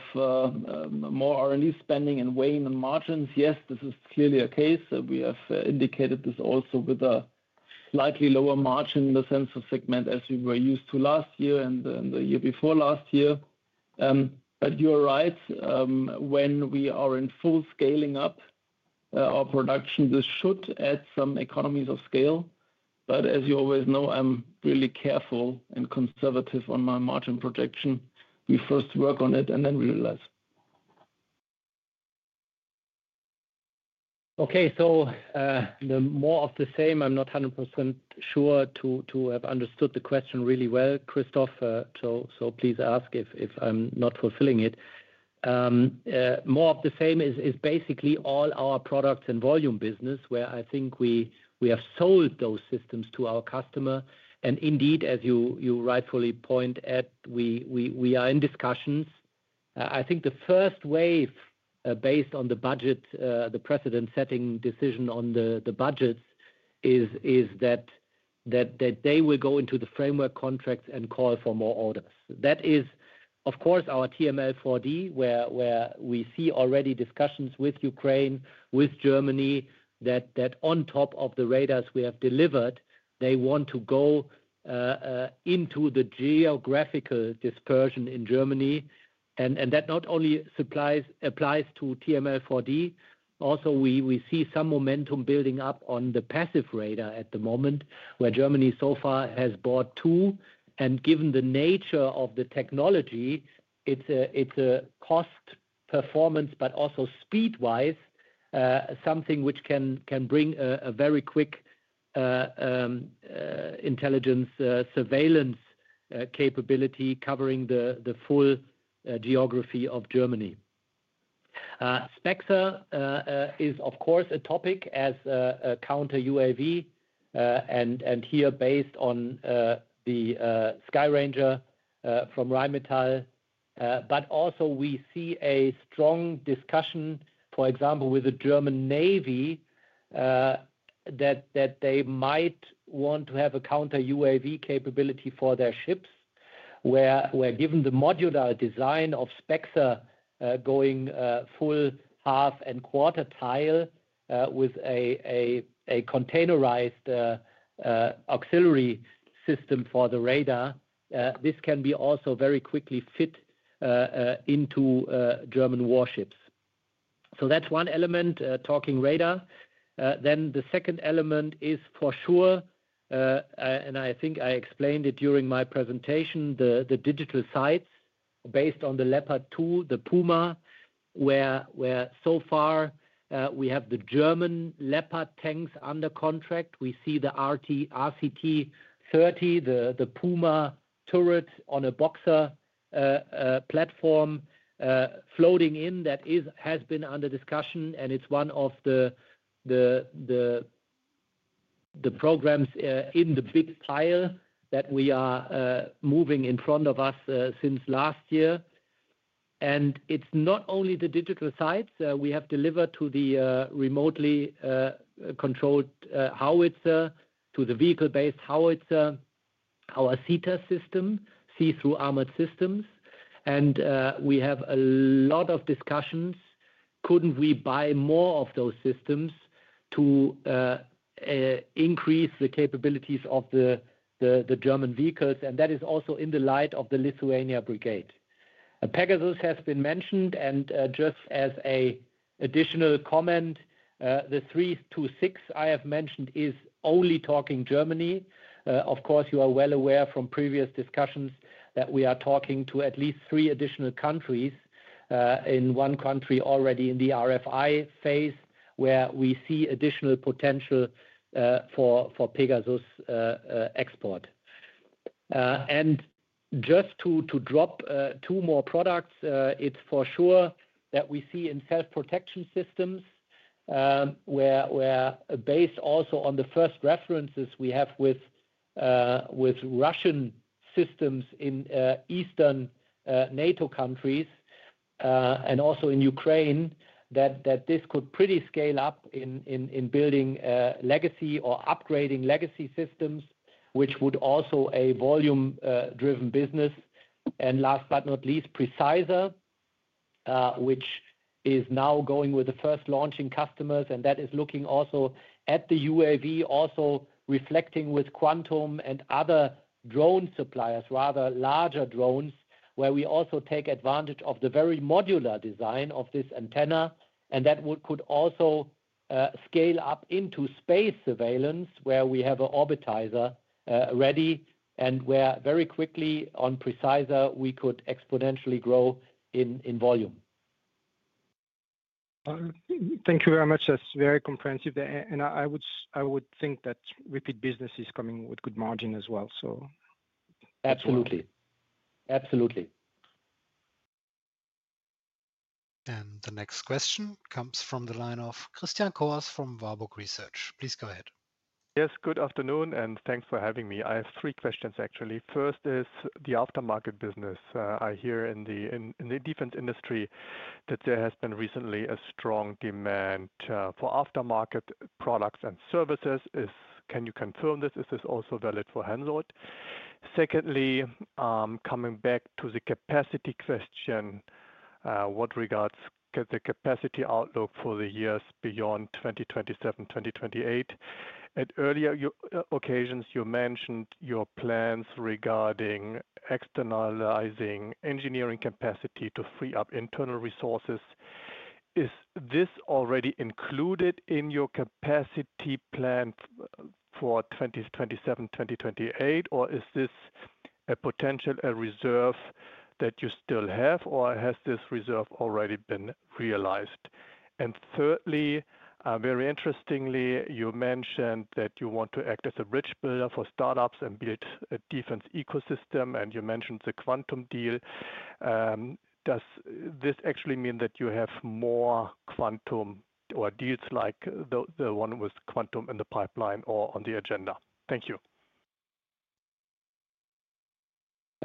[SPEAKER 4] more R&D spending and weighing the margins. Yes, this is clearly a case. We have indicated this also with a slightly lower margin in the Sensors segment as we were used to last year and the year before last year. You are right. When we are in full scaling up our production, this should add some economies of scale. As you always know, I am really careful and conservative on my margin projection. We first work on it, and then we realize. Okay. More of the same, I am not 100% sure to have understood the question really well, Christoph. Please ask if I am not fulfilling it. More of the same is basically all our products and volume business, where I think we have sold those systems to our customer. As you rightfully point at, we are in discussions. I think the first wave, based on the budget, the president setting decision on the budgets, is that they will go into the framework contracts and call for more orders. That is, of course, our TRML-4D, where we see already discussions with Ukraine, with Germany, that on top of the radars we have delivered, they want to go into the geographical dispersion in Germany. That not only applies to TRML-4D, also we see some momentum building up on the passive radar at the moment, where Germany so far has bought two. Given the nature of the technology, it's a cost performance, but also speed-wise, something which can bring a very quick intelligence surveillance capability covering the full geography of Germany. Spexer is, of course, a topic as a counter UAV, and here based on the Skyranger from Rheinmetall. We also see a strong discussion, for example, with the German Navy that they might want to have a counter UAV capability for their ships, where given the modular design of Spexer going full half and quarter tile with a containerized auxiliary system for the radar, this can be also very quickly fit into German warships. That is one element, talking radar. The second element is for sure, and I think I explained it during my presentation, the digital sights based on the Leopard 2, the Puma, where so far we have the German Leopard tanks under contract. We see the RCT 30, the Puma turret on a Boxer platform floating in that has been under discussion. It is one of the programs in the big pile that we are moving in front of us since last year. It is not only the digital sights. We have delivered to the remotely controlled howitzer, to the vehicle-based howitzer, our SITA system, see-through armored systems. We have a lot of discussions. Could not we buy more of those systems to increase the capabilities of the German vehicles? That is also in the light of the Lithuania brigade. Pegasus has been mentioned. Just as an additional comment, the 3-6 I have mentioned is only talking Germany. Of course, you are well aware from previous discussions that we are talking to at least three additional countries in one country already in the RFI phase, where we see additional potential for Pegasus export. Just to drop two more products, it's for sure that we see in self-protection systems, where based also on the first references we have with Russian systems in Eastern NATO countries and also in Ukraine, that this could pretty scale up in building legacy or upgrading legacy systems, which would also be a volume-driven business. Last but not least, Preciser, which is now going with the first launching customers. That is looking also at the UAV, also reflecting with Quantum and other drone suppliers, rather larger drones, where we also take advantage of the very modular design of this antenna. That could also scale up into space surveillance, where we have an orbiter ready. Where very quickly on Preciser, we could exponentially grow in volume.
[SPEAKER 8] Thank you very much. That is very comprehensive. I would think that repeat business is coming with good margin as well.
[SPEAKER 3] Absolutely. Absolutely.
[SPEAKER 1] The next question comes from the line of Christian Cohrs from Warburg Research. Please go ahead.
[SPEAKER 9] Yes. Good afternoon. Thanks for having me. I have three questions, actually. First is the aftermarket business. I hear in the defense industry that there has been recently a strong demand for aftermarket products and services. Can you confirm this? Is this also valid for Hensoldt? Secondly, coming back to the capacity question, what regards the capacity outlook for the years beyond 2027, 2028? At earlier occasions, you mentioned your plans regarding externalizing engineering capacity to free up internal resources. Is this already included in your capacity plan for 2027, 2028? Is this a potential reserve that you still have? Has this reserve already been realized? Thirdly, very interestingly, you mentioned that you want to act as a bridge builder for startups and build a defense ecosystem. You mentioned the Quantum deal. Does this actually mean that you have more Quantum or deals like the one with Quantum in the pipeline or on the agenda?
[SPEAKER 3] Thank you.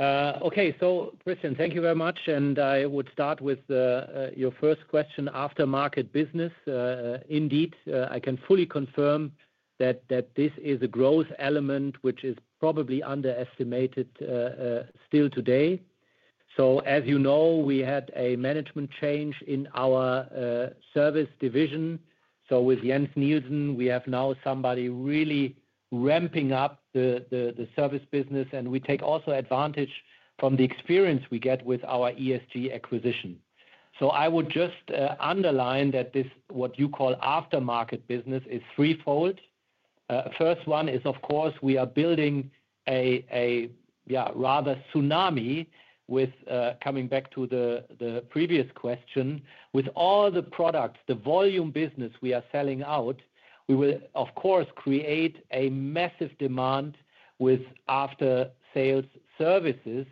[SPEAKER 3] Okay. Christian, thank you very much. I would start with your first question, aftermarket business. Indeed, I can fully confirm that this is a growth element, which is probably underestimated still today. As you know, we had a management change in our service division. With Jens Nielsen, we have now somebody really ramping up the service business. We take also advantage from the experience we get with our ESG acquisition. I would just underline that what you call aftermarket business is threefold. First one is, of course, we are building a rather tsunami, coming back to the previous question. With all the products, the volume business we are selling out, we will, of course, create a massive demand with after-sales services.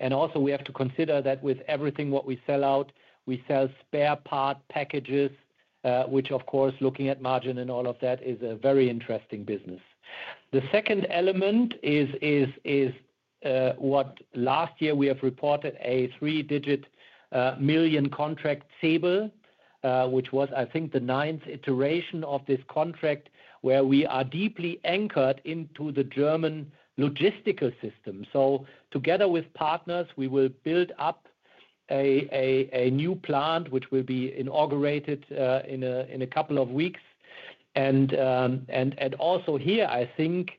[SPEAKER 3] Also, we have to consider that with everything what we sell out, we sell spare part packages, which, of course, looking at margin and all of that is a very interesting business. The second element is what last year we have reported a three-digit million contract table, which was, I think, the ninth iteration of this contract, where we are deeply anchored into the German logistical system. Together with partners, we will build up a new plant, which will be inaugurated in a couple of weeks. Also here, I think,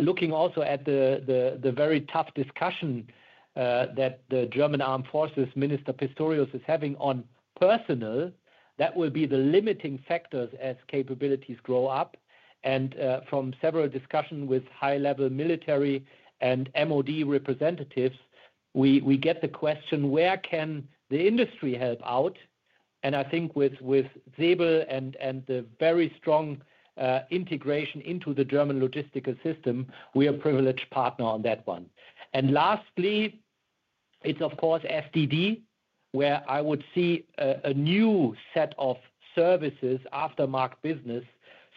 [SPEAKER 3] looking at the very tough discussion that the German Armed Forces Minister Pistorius is having on personnel, that will be the limiting factor as capabilities grow up. From several discussions with high-level military and MoD representatives, we get the question, where can the industry help out? I think with Zebel and the very strong integration into the German logistical system, we are a privileged partner on that one. Lastly, it is, of course, SDD, where I would see a new set of services, aftermarket business,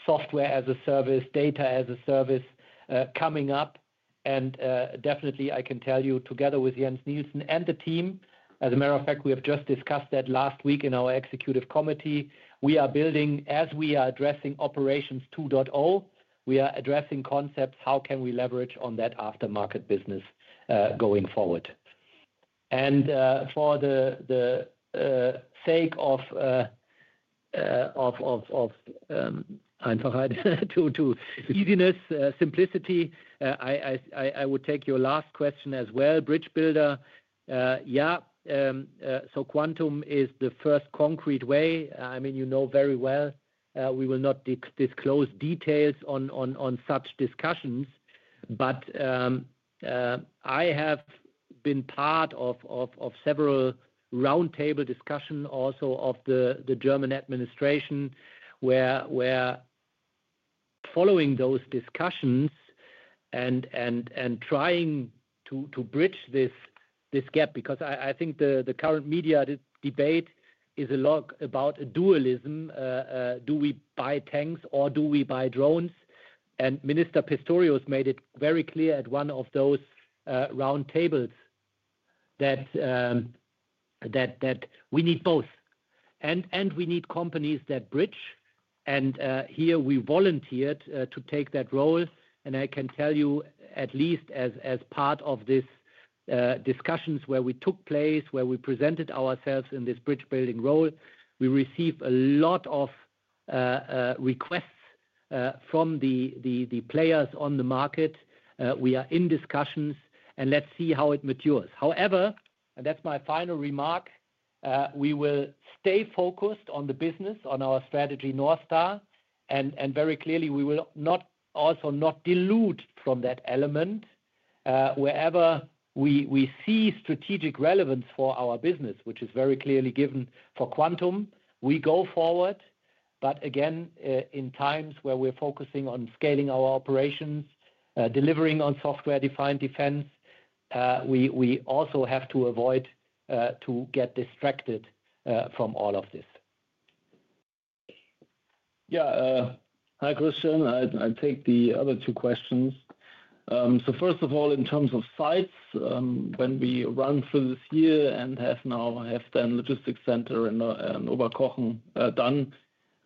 [SPEAKER 3] software as a service, data as a service coming up. I can tell you, together with Jens Nielsen and the team, as a matter of fact, we have just discussed that last week in our executive committee, we are building, as we are addressing Operations 2.0, we are addressing concepts, how can we leverage on that aftermarket business going forward? For the sake of easiness, simplicity, I would take your last question as well, bridge builder. Yeah. Quantum is the first concrete way. I mean, you know very well, we will not disclose details on such discussions. I have been part of several roundtable discussions also of the German administration, where following those discussions and trying to bridge this gap, because I think the current media debate is a lot about dualism. Do we buy tanks or do we buy drones? Minister Pistorius made it very clear at one of those roundtables that we need both. We need companies that bridge. Here, we volunteered to take that role. I can tell you, at least as part of these discussions where we took place, where we presented ourselves in this bridge-building role, we received a lot of requests from the players on the market. We are in discussions, and let's see how it matures. However, and that's my final remark, we will stay focused on the business, on our strategy, Northstar. Very clearly, we will also not delude from that element. Wherever we see strategic relevance for our business, which is very clearly given for Quantum, we go forward. Again, in times where we're focusing on scaling our operations, delivering on software-defined defense, we also have to avoid getting distracted from all of this. Yeah. Hi, Christian. I take the other two questions. First of all, in terms of sites, when we run through this year and have now done logistics center and Oberkochen done,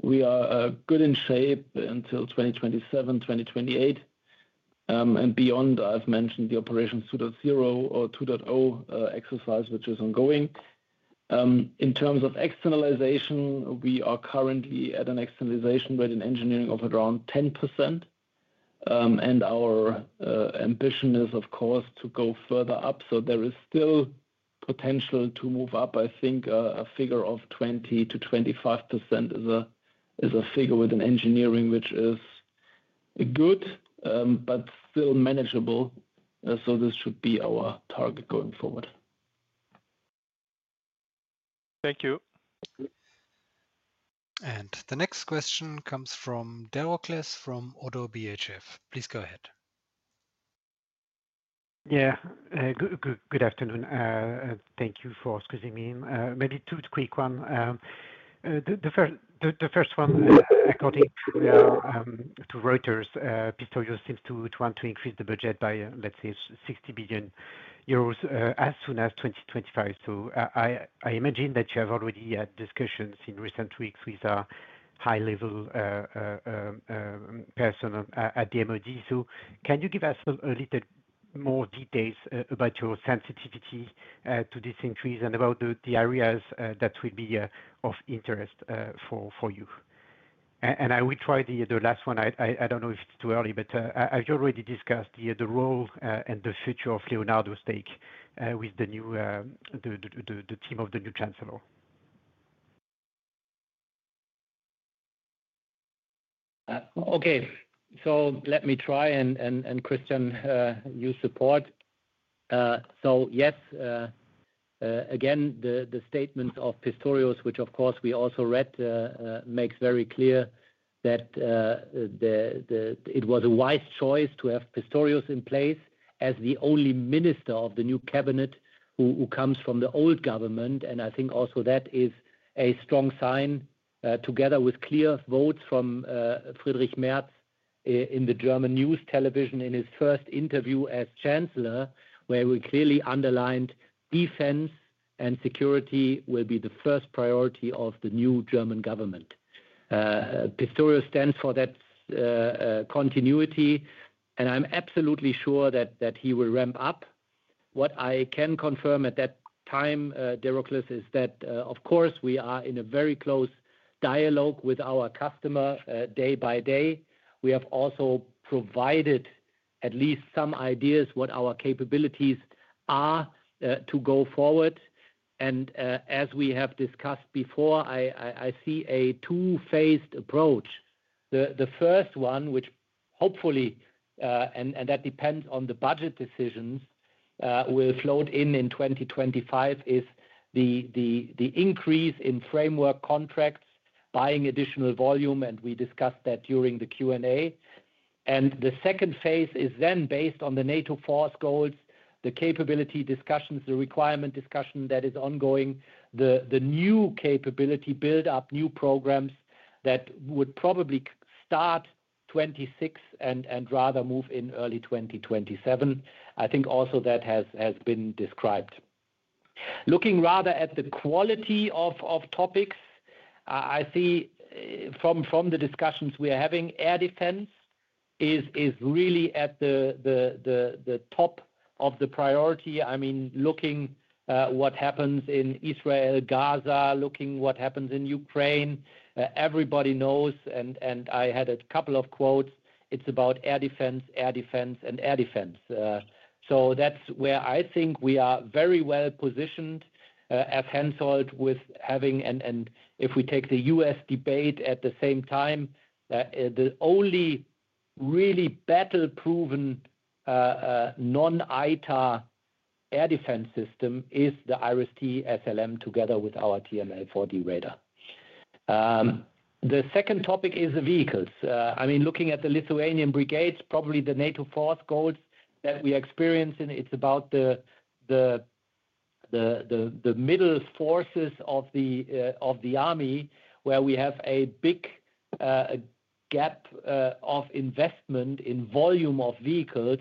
[SPEAKER 3] we are good in shape until 2027, 2028. Beyond, I have mentioned the Operations 2.0 exercise, which is ongoing. In terms of externalization, we are currently at an externalization rate in engineering of around 10%. Our ambition is, of course, to go further up. There is still potential to move up. I think a figure of 20%-25% is a figure within engineering, which is good, but still manageable. This should be our target going forward.
[SPEAKER 9] Thank you.
[SPEAKER 1] The next question comes from Jan Fröhlich from ODDO BHF. Please go ahead.
[SPEAKER 10] Yeah. Good afternoon. Thank you for excusing me. Maybe two quick ones. The first one, according to Reuters, Pistorius seems to want to increase the budget by, let's say, 60 billion euros as soon as 2025. I imagine that you have already had discussions in recent weeks with a high-level person at the MoD. Can you give us a little more details about your sensitivity to this increase and about the areas that will be of interest for you? I will try the last one. I don't know if it's too early, but have you already discussed the role and the future of Leonardo's take with the team of the new chancellor?
[SPEAKER 3] Okay. Let me try. Christian, you support. Yes, again, the statements of Pistorius, which, of course, we also read, make very clear that it was a wise choice to have Pistorius in place as the only minister of the new cabinet who comes from the old government. I think also that is a strong sign, together with clear votes from Friedrich Merz in the German news television in his first interview as Chancellor, where he clearly underlined defense and security will be the first priority of the new German government. Pistorius stands for that continuity. I am absolutely sure that he will ramp up. What I can confirm at that time, Jan, is that, of course, we are in a very close dialogue with our customer day by day. We have also provided at least some ideas of what our capabilities are to go forward. As we have discussed before, I see a two-phased approach. The first one, which hopefully—and that depends on the budget decisions—will float in in 2025, is the increase in framework contracts, buying additional volume. We discussed that during the Q&A. The second phase is then based on the NATO force goals, the capability discussions, the requirement discussion that is ongoing, the new capability build-up, new programs that would probably start 2026 and rather move in early 2027. I think also that has been described. Looking rather at the quality of topics, I see from the discussions we are having, air defense is really at the top of the priority. I mean, looking at what happens in Israel, Gaza, looking at what happens in Ukraine, everybody knows. I had a couple of quotes. It's about air defense, air defense, and air defense. That's where I think we are very well positioned as Hensoldt with having—and if we take the U.S. debate at the same time, the only really battle-proven non-ITA air defense system is the IRIS-T SLM together with our TRML-4D radar. The second topic is the vehicles. I mean, looking at the Lithuanian brigades, probably the NATO force goals that we experience in, it's about the middle forces of the army, where we have a big gap of investment in volume of vehicles,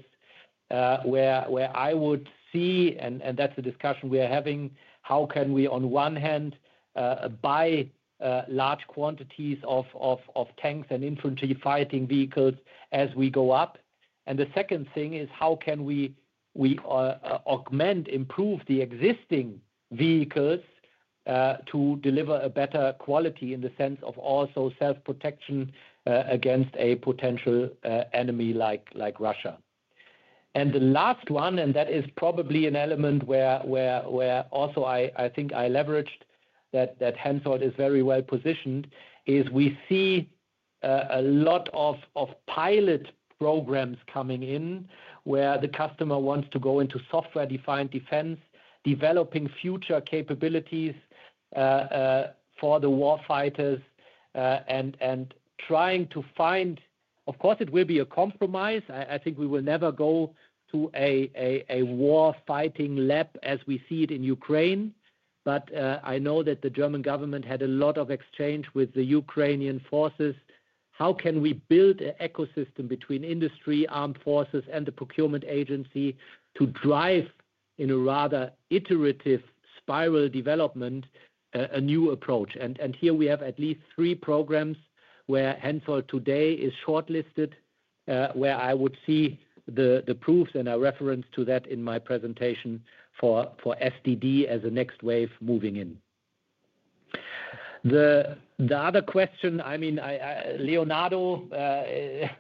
[SPEAKER 3] where I would see—and that's the discussion we are having—how can we, on one hand, buy large quantities of tanks and infantry fighting vehicles as we go up? The second thing is, how can we augment, improve the existing vehicles to deliver a better quality in the sense of also self-protection against a potential enemy like Russia? The last one, and that is probably an element where also I think I leveraged that Hensoldt is very well positioned, is we see a lot of pilot programs coming in where the customer wants to go into software-defined defense, developing future capabilities for the war fighters and trying to find—of course, it will be a compromise. I think we will never go to a war fighting lab as we see it in Ukraine. I know that the German government had a lot of exchange with the Ukrainian forces. How can we build an ecosystem between industry, armed forces, and the procurement agency to drive in a rather iterative spiral development a new approach? Here, we have at least three programs where Hensoldt today is shortlisted, where I would see the proofs and a reference to that in my presentation for SDD as a next wave moving in. The other question, I mean, Leonardo,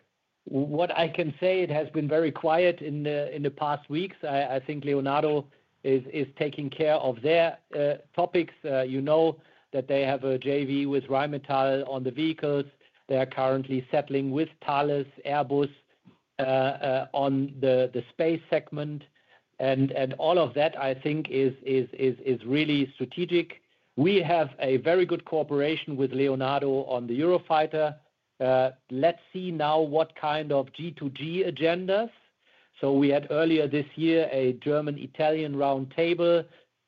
[SPEAKER 3] what I can say, it has been very quiet in the past weeks. I think Leonardo is taking care of their topics. You know that they have a JV with Rheinmetall on the vehicles. They are currently settling with Thales, Airbus on the space segment. All of that, I think, is really strategic. We have a very good cooperation with Leonardo on the Eurofighter. Let's see now what kind of G2G agendas. We had earlier this year a German-Italian roundtable,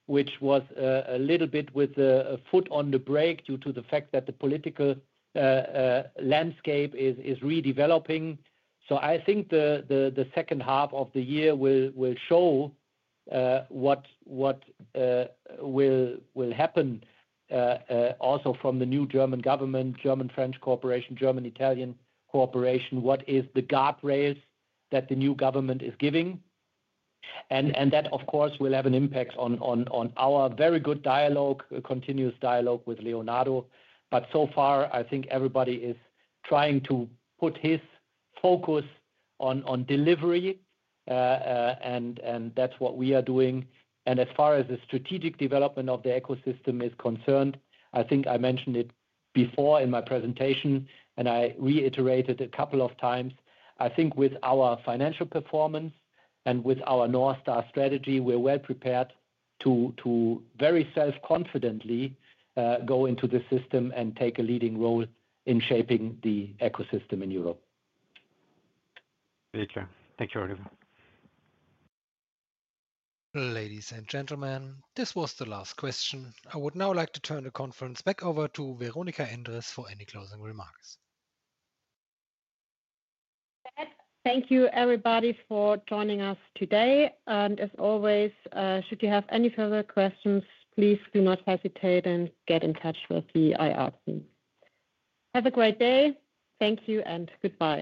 [SPEAKER 3] which was a little bit with a foot on the brake due to the fact that the political landscape is redeveloping. I think the second half of the year will show what will happen also from the new German government, German-French cooperation, German-Italian cooperation, what is the guardrails that the new government is giving. That, of course, will have an impact on our very good dialogue, continuous dialogue with Leonardo. So far, I think everybody is trying to put his focus on delivery. That is what we are doing. As far as the strategic development of the ecosystem is concerned, I think I mentioned it before in my presentation, and I reiterated a couple of times. I think with our financial performance and with our Northstar strategy, we are well prepared to very self-confidently go into the system and take a leading role in shaping the ecosystem in Europe.
[SPEAKER 10] Very clear. Thank you, Oliver.
[SPEAKER 1] Ladies and gentlemen, this was the last question. I would now like to turn the conference back over to Veronika Endres for any closing remarks.
[SPEAKER 2] Thank you, everybody, for joining us today. As always, should you have any further questions, please do not hesitate and get in touch with the IR team. Have a great day. Thank you and goodbye.